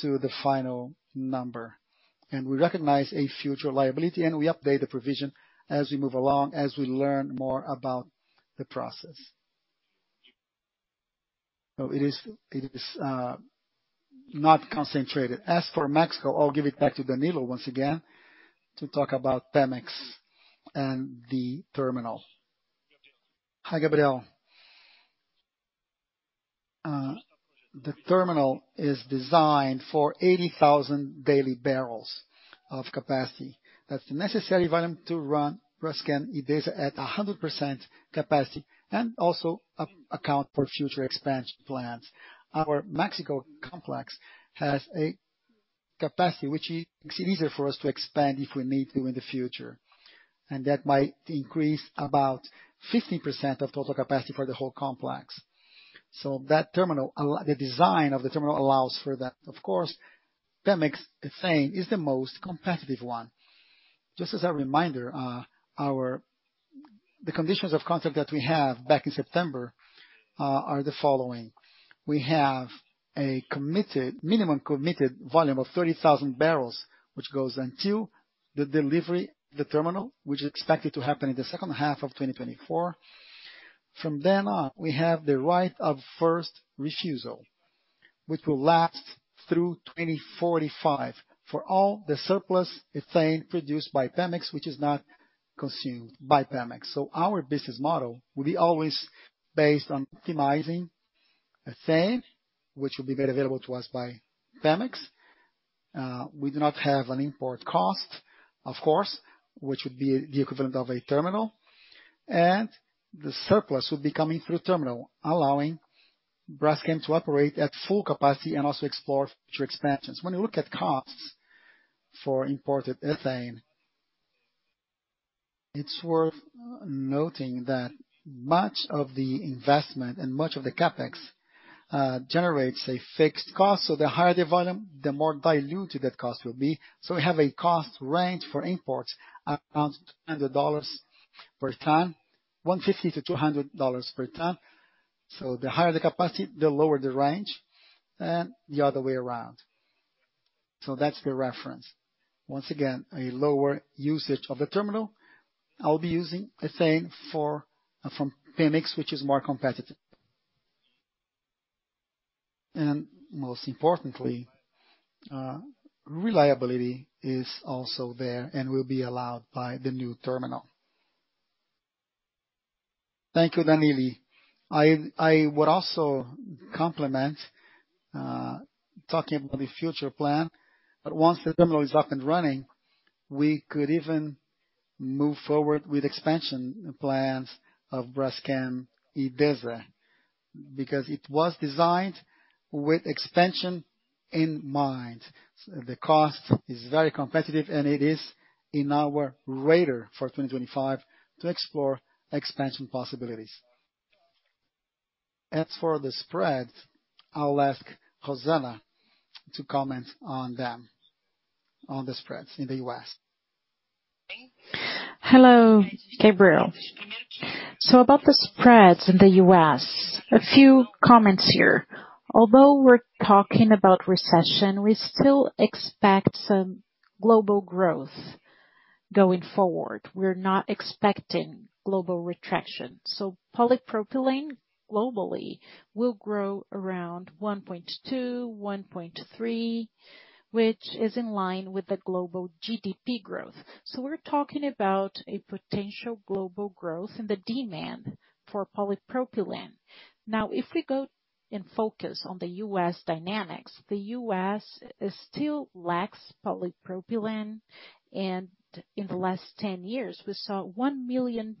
to the final number. We recognize a future liability, and we update the provision as we move along, as we learn more about the process. It is not concentrated. As for Mexico, I'll give it back to Danilo once again, to talk about PEMEX and the terminal. Hi, Gabriel. The terminal is designed for 80,000 daily barrels of capacity. That's the necessary volume to run Braskem Idesa at 100% capacity and also account for future expansion plans. Our Mexico complex has a capacity which makes it easier for us to expand if we need to in the future. That might increase about 15% of total capacity for the whole complex. The design of the terminal allows for that. Of course, PEMEX ethane is the most competitive one. Just as a reminder, our... The conditions of contract that we have back in September are the following: We have a minimum committed volume of 30,000 bbl, which goes until the delivery, the terminal, which is expected to happen in the second half of 2024. From then on, we have the right of first refusal, which will last through 2045 for all the surplus ethane produced by PEMEX, which is not consumed by PEMEX. Our business model will be always based on optimizing ethane, which will be made available to us by PEMEX. We do not have an import cost, of course, which would be the equivalent of a terminal. The surplus will be coming through terminal, allowing Braskem to operate at full capacity and also explore future expansions. When you look at costs for imported ethane, it's worth noting that much of the investment and much of the CapEx generates a fixed cost, so the higher the volume, the more diluted that cost will be. We have a cost range for imports around $200 per ton, $150-$200 per ton. The higher the capacity, the lower the range, and the other way around. That's the reference. Once again, a lower usage of the terminal. I'll be using ethane from PEMEX, which is more competitive. Most importantly, reliability is also there and will be allowed by the new terminal. Thank you, Danilo. I would also complement talking about the future plan, that once the terminal is up and running, we could even move forward with expansion plans of Braskem Idesa, because it was designed with expansion in mind. The cost is very competitive, and it is in our radar for 2025 to explore expansion possibilities. As for the spreads, I'll ask Rosana to comment on them, on the spreads in the U.S. Hello, Gabriel. About the spreads in the U.S., a few comments here. Although we're talking about recession, we still expect some global growth going forward. We're not expecting global retraction. Polypropylene globally will grow around 1.2%-1.3%, which is in line with the global GDP growth. We're talking about a potential global growth in the demand for polypropylene. Now, if we go and focus on the U.S. dynamics, the U.S. still lacks polypropylene, and in the last 10 years, we saw 1 million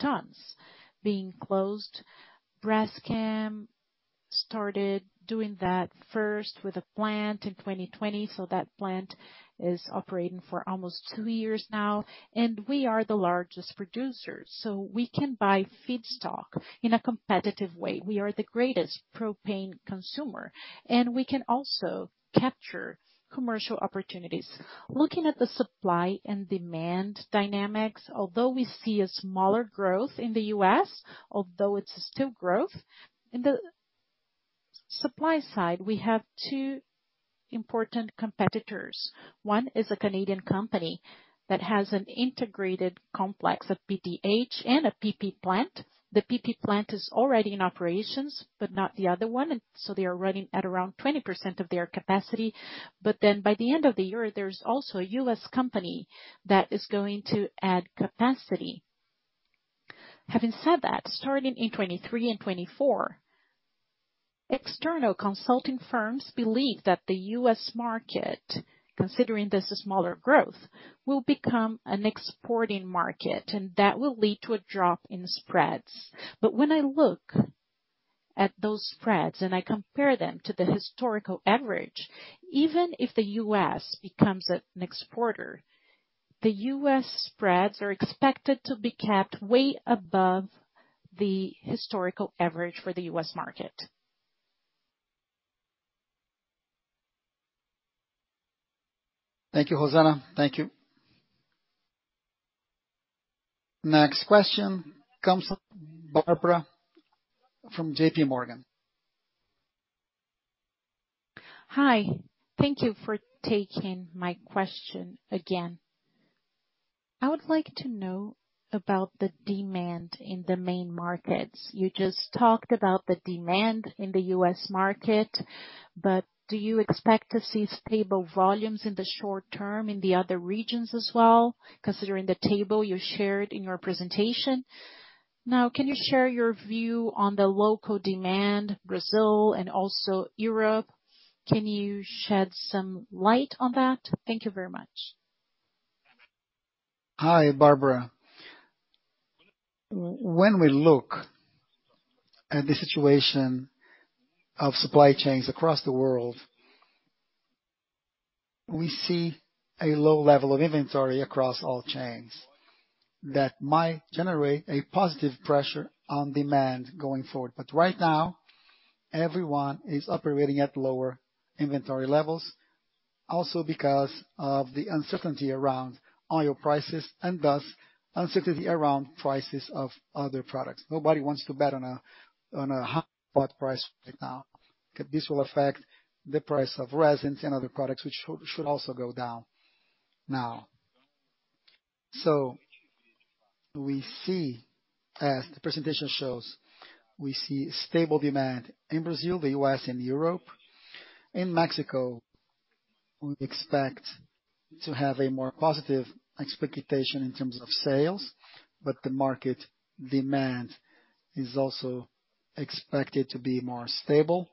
tons being closed. Braskem started doing that first with a plant in 2020. That plant is operating for almost two years now, and we are the largest producer, so we can buy feedstock in a competitive way. We are the greatest propane consumer, and we can also capture commercial opportunities. Looking at the supply and demand dynamics, although we see a smaller growth in the U.S., although it's still growth, in the supply side, we have two important competitors. One is a Canadian company that has an integrated complex, a PDH and a PP plant. The PP plant is already in operations, but not the other one. They are running at around 20% of their capacity. By the end of the year, there's also a U.S. company that is going to add capacity. Having said that, starting in 2023 and 2024, external consulting firms believe that the U.S. market, considering this a smaller growth, will become an exporting market, and that will lead to a drop in spreads. When I look at those spreads and I compare them to the historical average, even if the U.S. becomes an exporter, the U.S. spreads are expected to be capped way above the historical average for the U.S. market. Thank you, Rosana. Thank you. Next question comes from Barbara from JPMorgan. Hi. Thank you for taking my question again. I would like to know about the demand in the main markets. You just talked about the demand in the U.S. market, but do you expect to see stable volumes in the short term in the other regions as well, considering the table you shared in your presentation? Now, can you share your view on the local demand, Brazil and also Europe? Can you shed some light on that? Thank you very much. Hi, Barbara. When we look at the situation of supply chains across the world, we see a low level of inventory across all chains that might generate a positive pressure on demand going forward. Right now everyone is operating at lower inventory levels also because of the uncertainty around oil prices and thus uncertainty around prices of other products. Nobody wants to bet on a hot spot price right now. This will affect the price of resins and other products, which should also go down now. We see, as the presentation shows, we see stable demand in Brazil, the U.S. and Europe. In Mexico, we expect to have a more positive expectation in terms of sales, but the market demand is also expected to be more stable.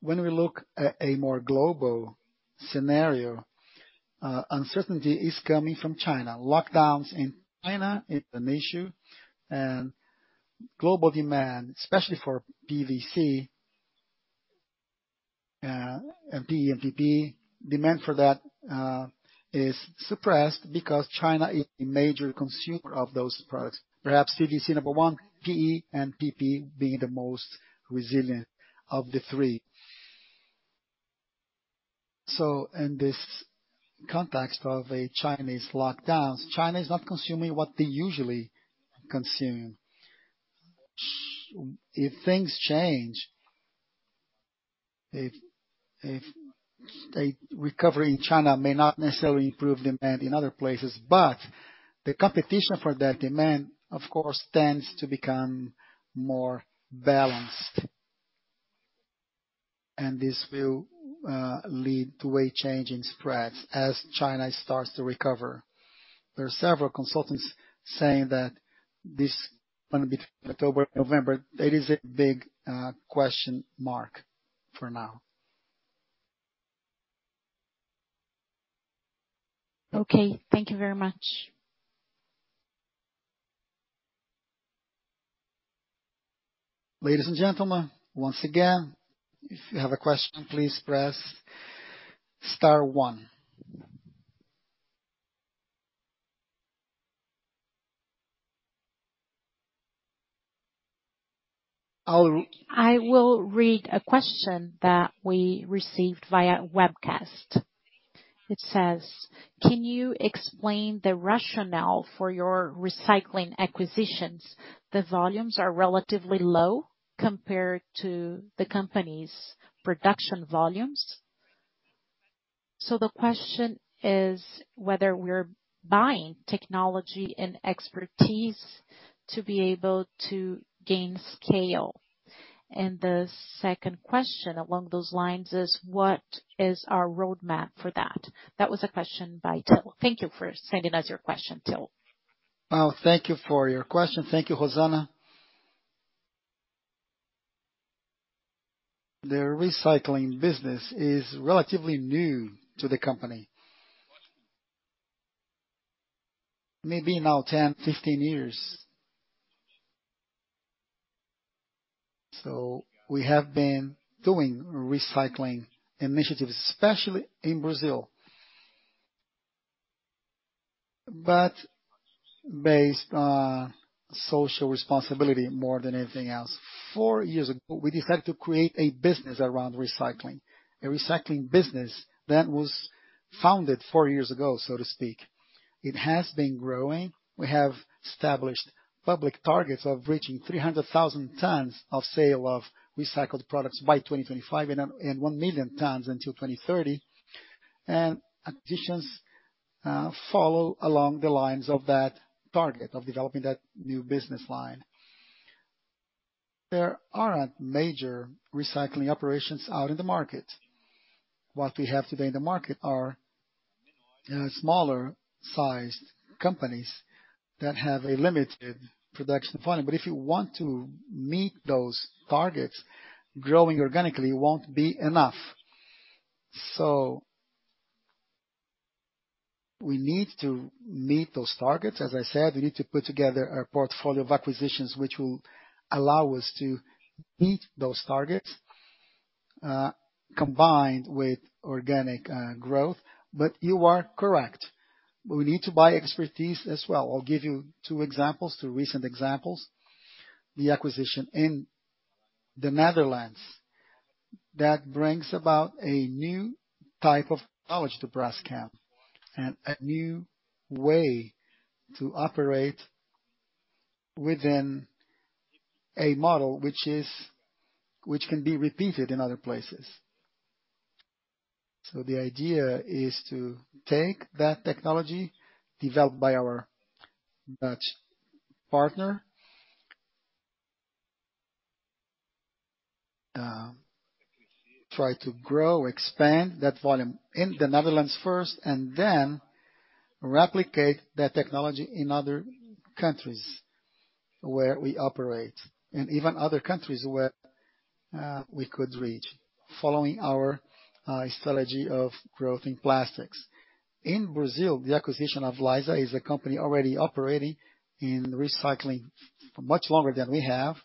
When we look at a more global scenario, uncertainty is coming from China. Lockdowns in China is an issue and global demand, especially for PVC, and PE and PP, demand for that, is suppressed because China is a major consumer of those products. Perhaps PVC, number one, PE and PP being the most resilient of the three. In this context of a Chinese lockdowns, China is not consuming what they usually consume. If things change, if a recovery in China may not necessarily improve demand in other places, but the competition for that demand of course, tends to become more balanced, and this will lead to a change in spreads as China starts to recover. There are several consultants saying that this gonna be October, November. It is a big question mark for now. Okay. Thank you very much. Ladies and gentlemen, once again, if you have a question, please press star one. I will read a question that we received via webcast. It says, Can you explain the rationale for your recycling acquisitions? The volumes are relatively low compared to the company's production volumes. The question is whether we're buying technology and expertise to be able to gain scale. The second question along those lines is what is our roadmap for that? That was a question by Till. Thank you for sending us your question, Till. Well, thank you for your question. Thank you, Rosana. The recycling business is relatively new to the company. Maybe now 10, 15 years. We have been doing recycling initiatives, especially in Brazil. Based on social responsibility more than anything else. Four years ago, we decided to create a business around recycling, a recycling business that was founded four years ago, so to speak. It has been growing. We have established public targets of reaching 300,000 tons in sales of recycled products by 2025 and 1 million tons until 2030. Acquisitions follow along the lines of that target of developing that new business line. There aren't major recycling operations out in the market. What we have today in the market are smaller sized companies that have a limited production volume. If you want to meet those targets, growing organically won't be enough. We need to meet those targets. As I said, we need to put together a portfolio of acquisitions which will allow us to meet those targets, combined with organic, growth. You are correct, we need to buy expertise as well. I'll give you two examples, two recent examples. The acquisition in the Netherlands, that brings about a new type of knowledge to Braskem and a new way to operate within a model which can be repeated in other places. The idea is to take that technology developed by our Dutch partner, try to grow, expand that volume in the Netherlands first, and then replicate that technology in other countries where we operate, and even other countries where, we could reach following our, strategy of growth in plastics. In Brazil, the acquisition of Wise is a company already operating in recycling much longer than we have.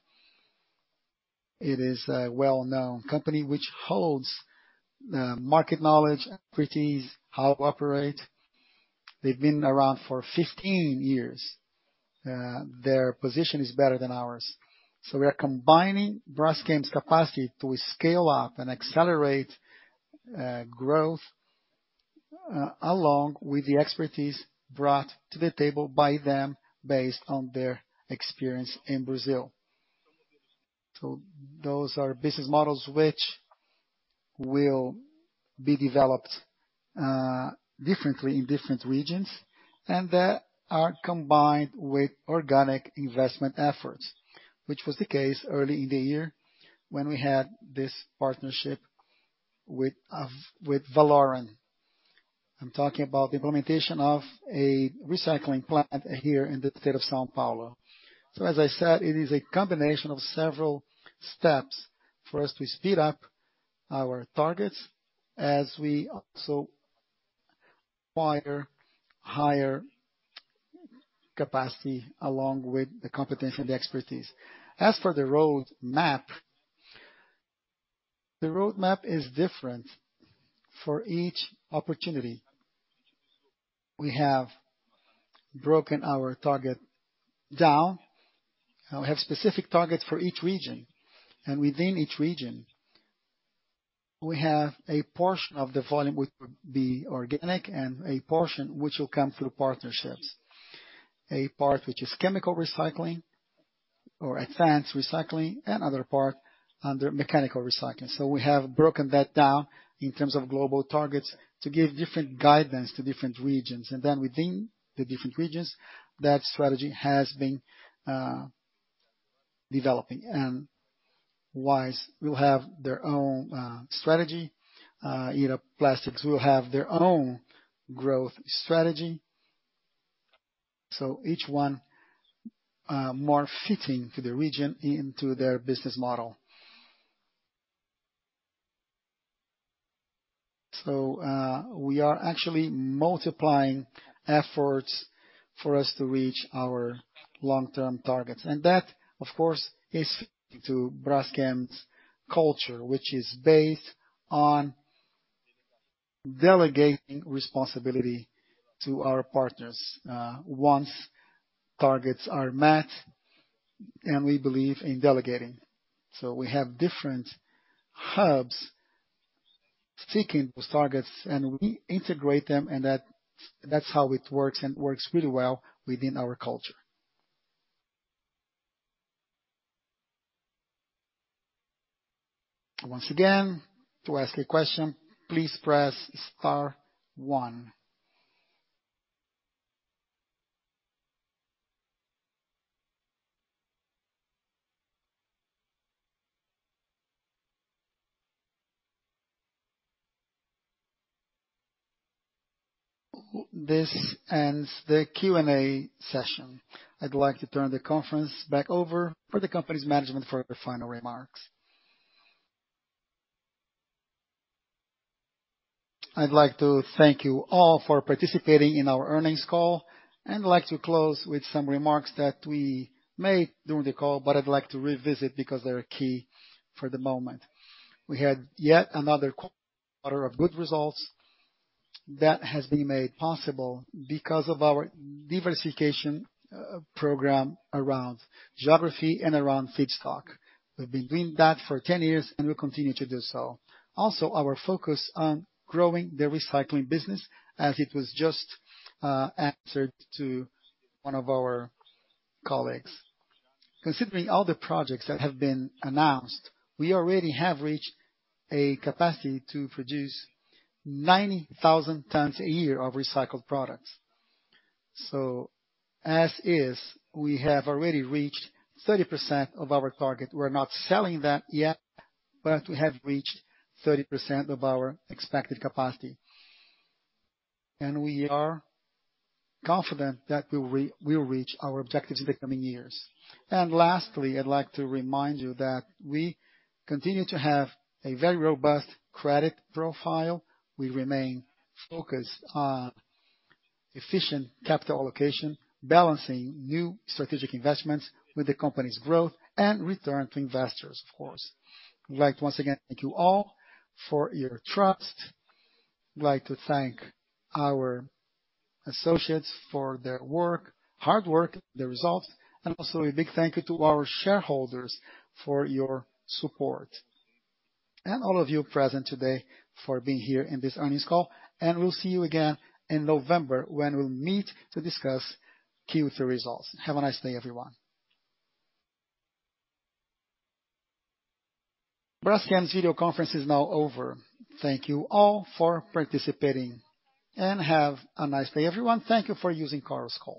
It is a well-known company which holds the market knowledge, expertise, how to operate. They've been around for 15 years. Their position is better than ours. We are combining Braskem's capacity to scale up and accelerate growth along with the expertise brought to the table by them based on their experience in Brazil. Those are business models which will be developed differently in different regions and that are combined with organic investment efforts. Which was the case early in the year when we had this partnership with Valoren. I'm talking about the implementation of a recycling plant here in the state of São Paulo. As I said, it is a combination of several steps for us to speed up our targets as we also acquire higher capacity along with the competence and the expertise. As for the roadmap, the roadmap is different for each opportunity. We have broken our target down. We have specific targets for each region, and within each region we have a portion of the volume which would be organic and a portion which will come through partnerships. A part which is chemical recycling or advanced recycling, and other part under mechanical recycling. We have broken that down in terms of global targets to give different guidance to different regions. Then within the different regions, that strategy has been developing. Wise will have their own strategy. You know, Wise Plásticos will have their own growth strategy. Each one, more fitting to the region into their business model. We are actually multiplying efforts for us to reach our long-term targets. That of course, is to Braskem's culture, which is based on delegating responsibility to our partners, once targets are met, and we believe in delegating. We have different hubs seeking those targets and we integrate them, and that's how it works, and works really well within our culture. Once again, to ask a question, please press star one. This ends the Q&A session. I'd like to turn the conference back over for the company's management for their final remarks. I'd like to thank you all for participating in our earnings call, and I'd like to close with some remarks that we made during the call, but I'd like to revisit because they're key for the moment. We had yet another quarter of good results that has been made possible because of our diversification, program around geography and around feedstock. We've been doing that for 10 years, and we'll continue to do so. Also, our focus on growing the recycling business as it was just, answered to one of our colleagues. Considering all the projects that have been announced, we already have reached a capacity to produce 90,000 tons a year of recycled products. As is, we have already reached 30% of our target. We're not selling that yet, but we have reached 30% of our expected capacity. Lastly, I'd like to remind you that we continue to have a very robust credit profile. We remain focused on efficient capital allocation, balancing new strategic investments with the company's growth and return to investors, of course. We'd like to once again thank you all for your trust. We'd like to thank our associates for their work, hard work, the results, and also a big thank you to our shareholders for your support. All of you present today for being here in this earnings call, and we'll see you again in November when we'll meet to discuss Q3 results. Have a nice day, everyone. Braskem's video conference is now over. Thank you all for participating, and have a nice day, everyone. Thank you for using Chorus Call.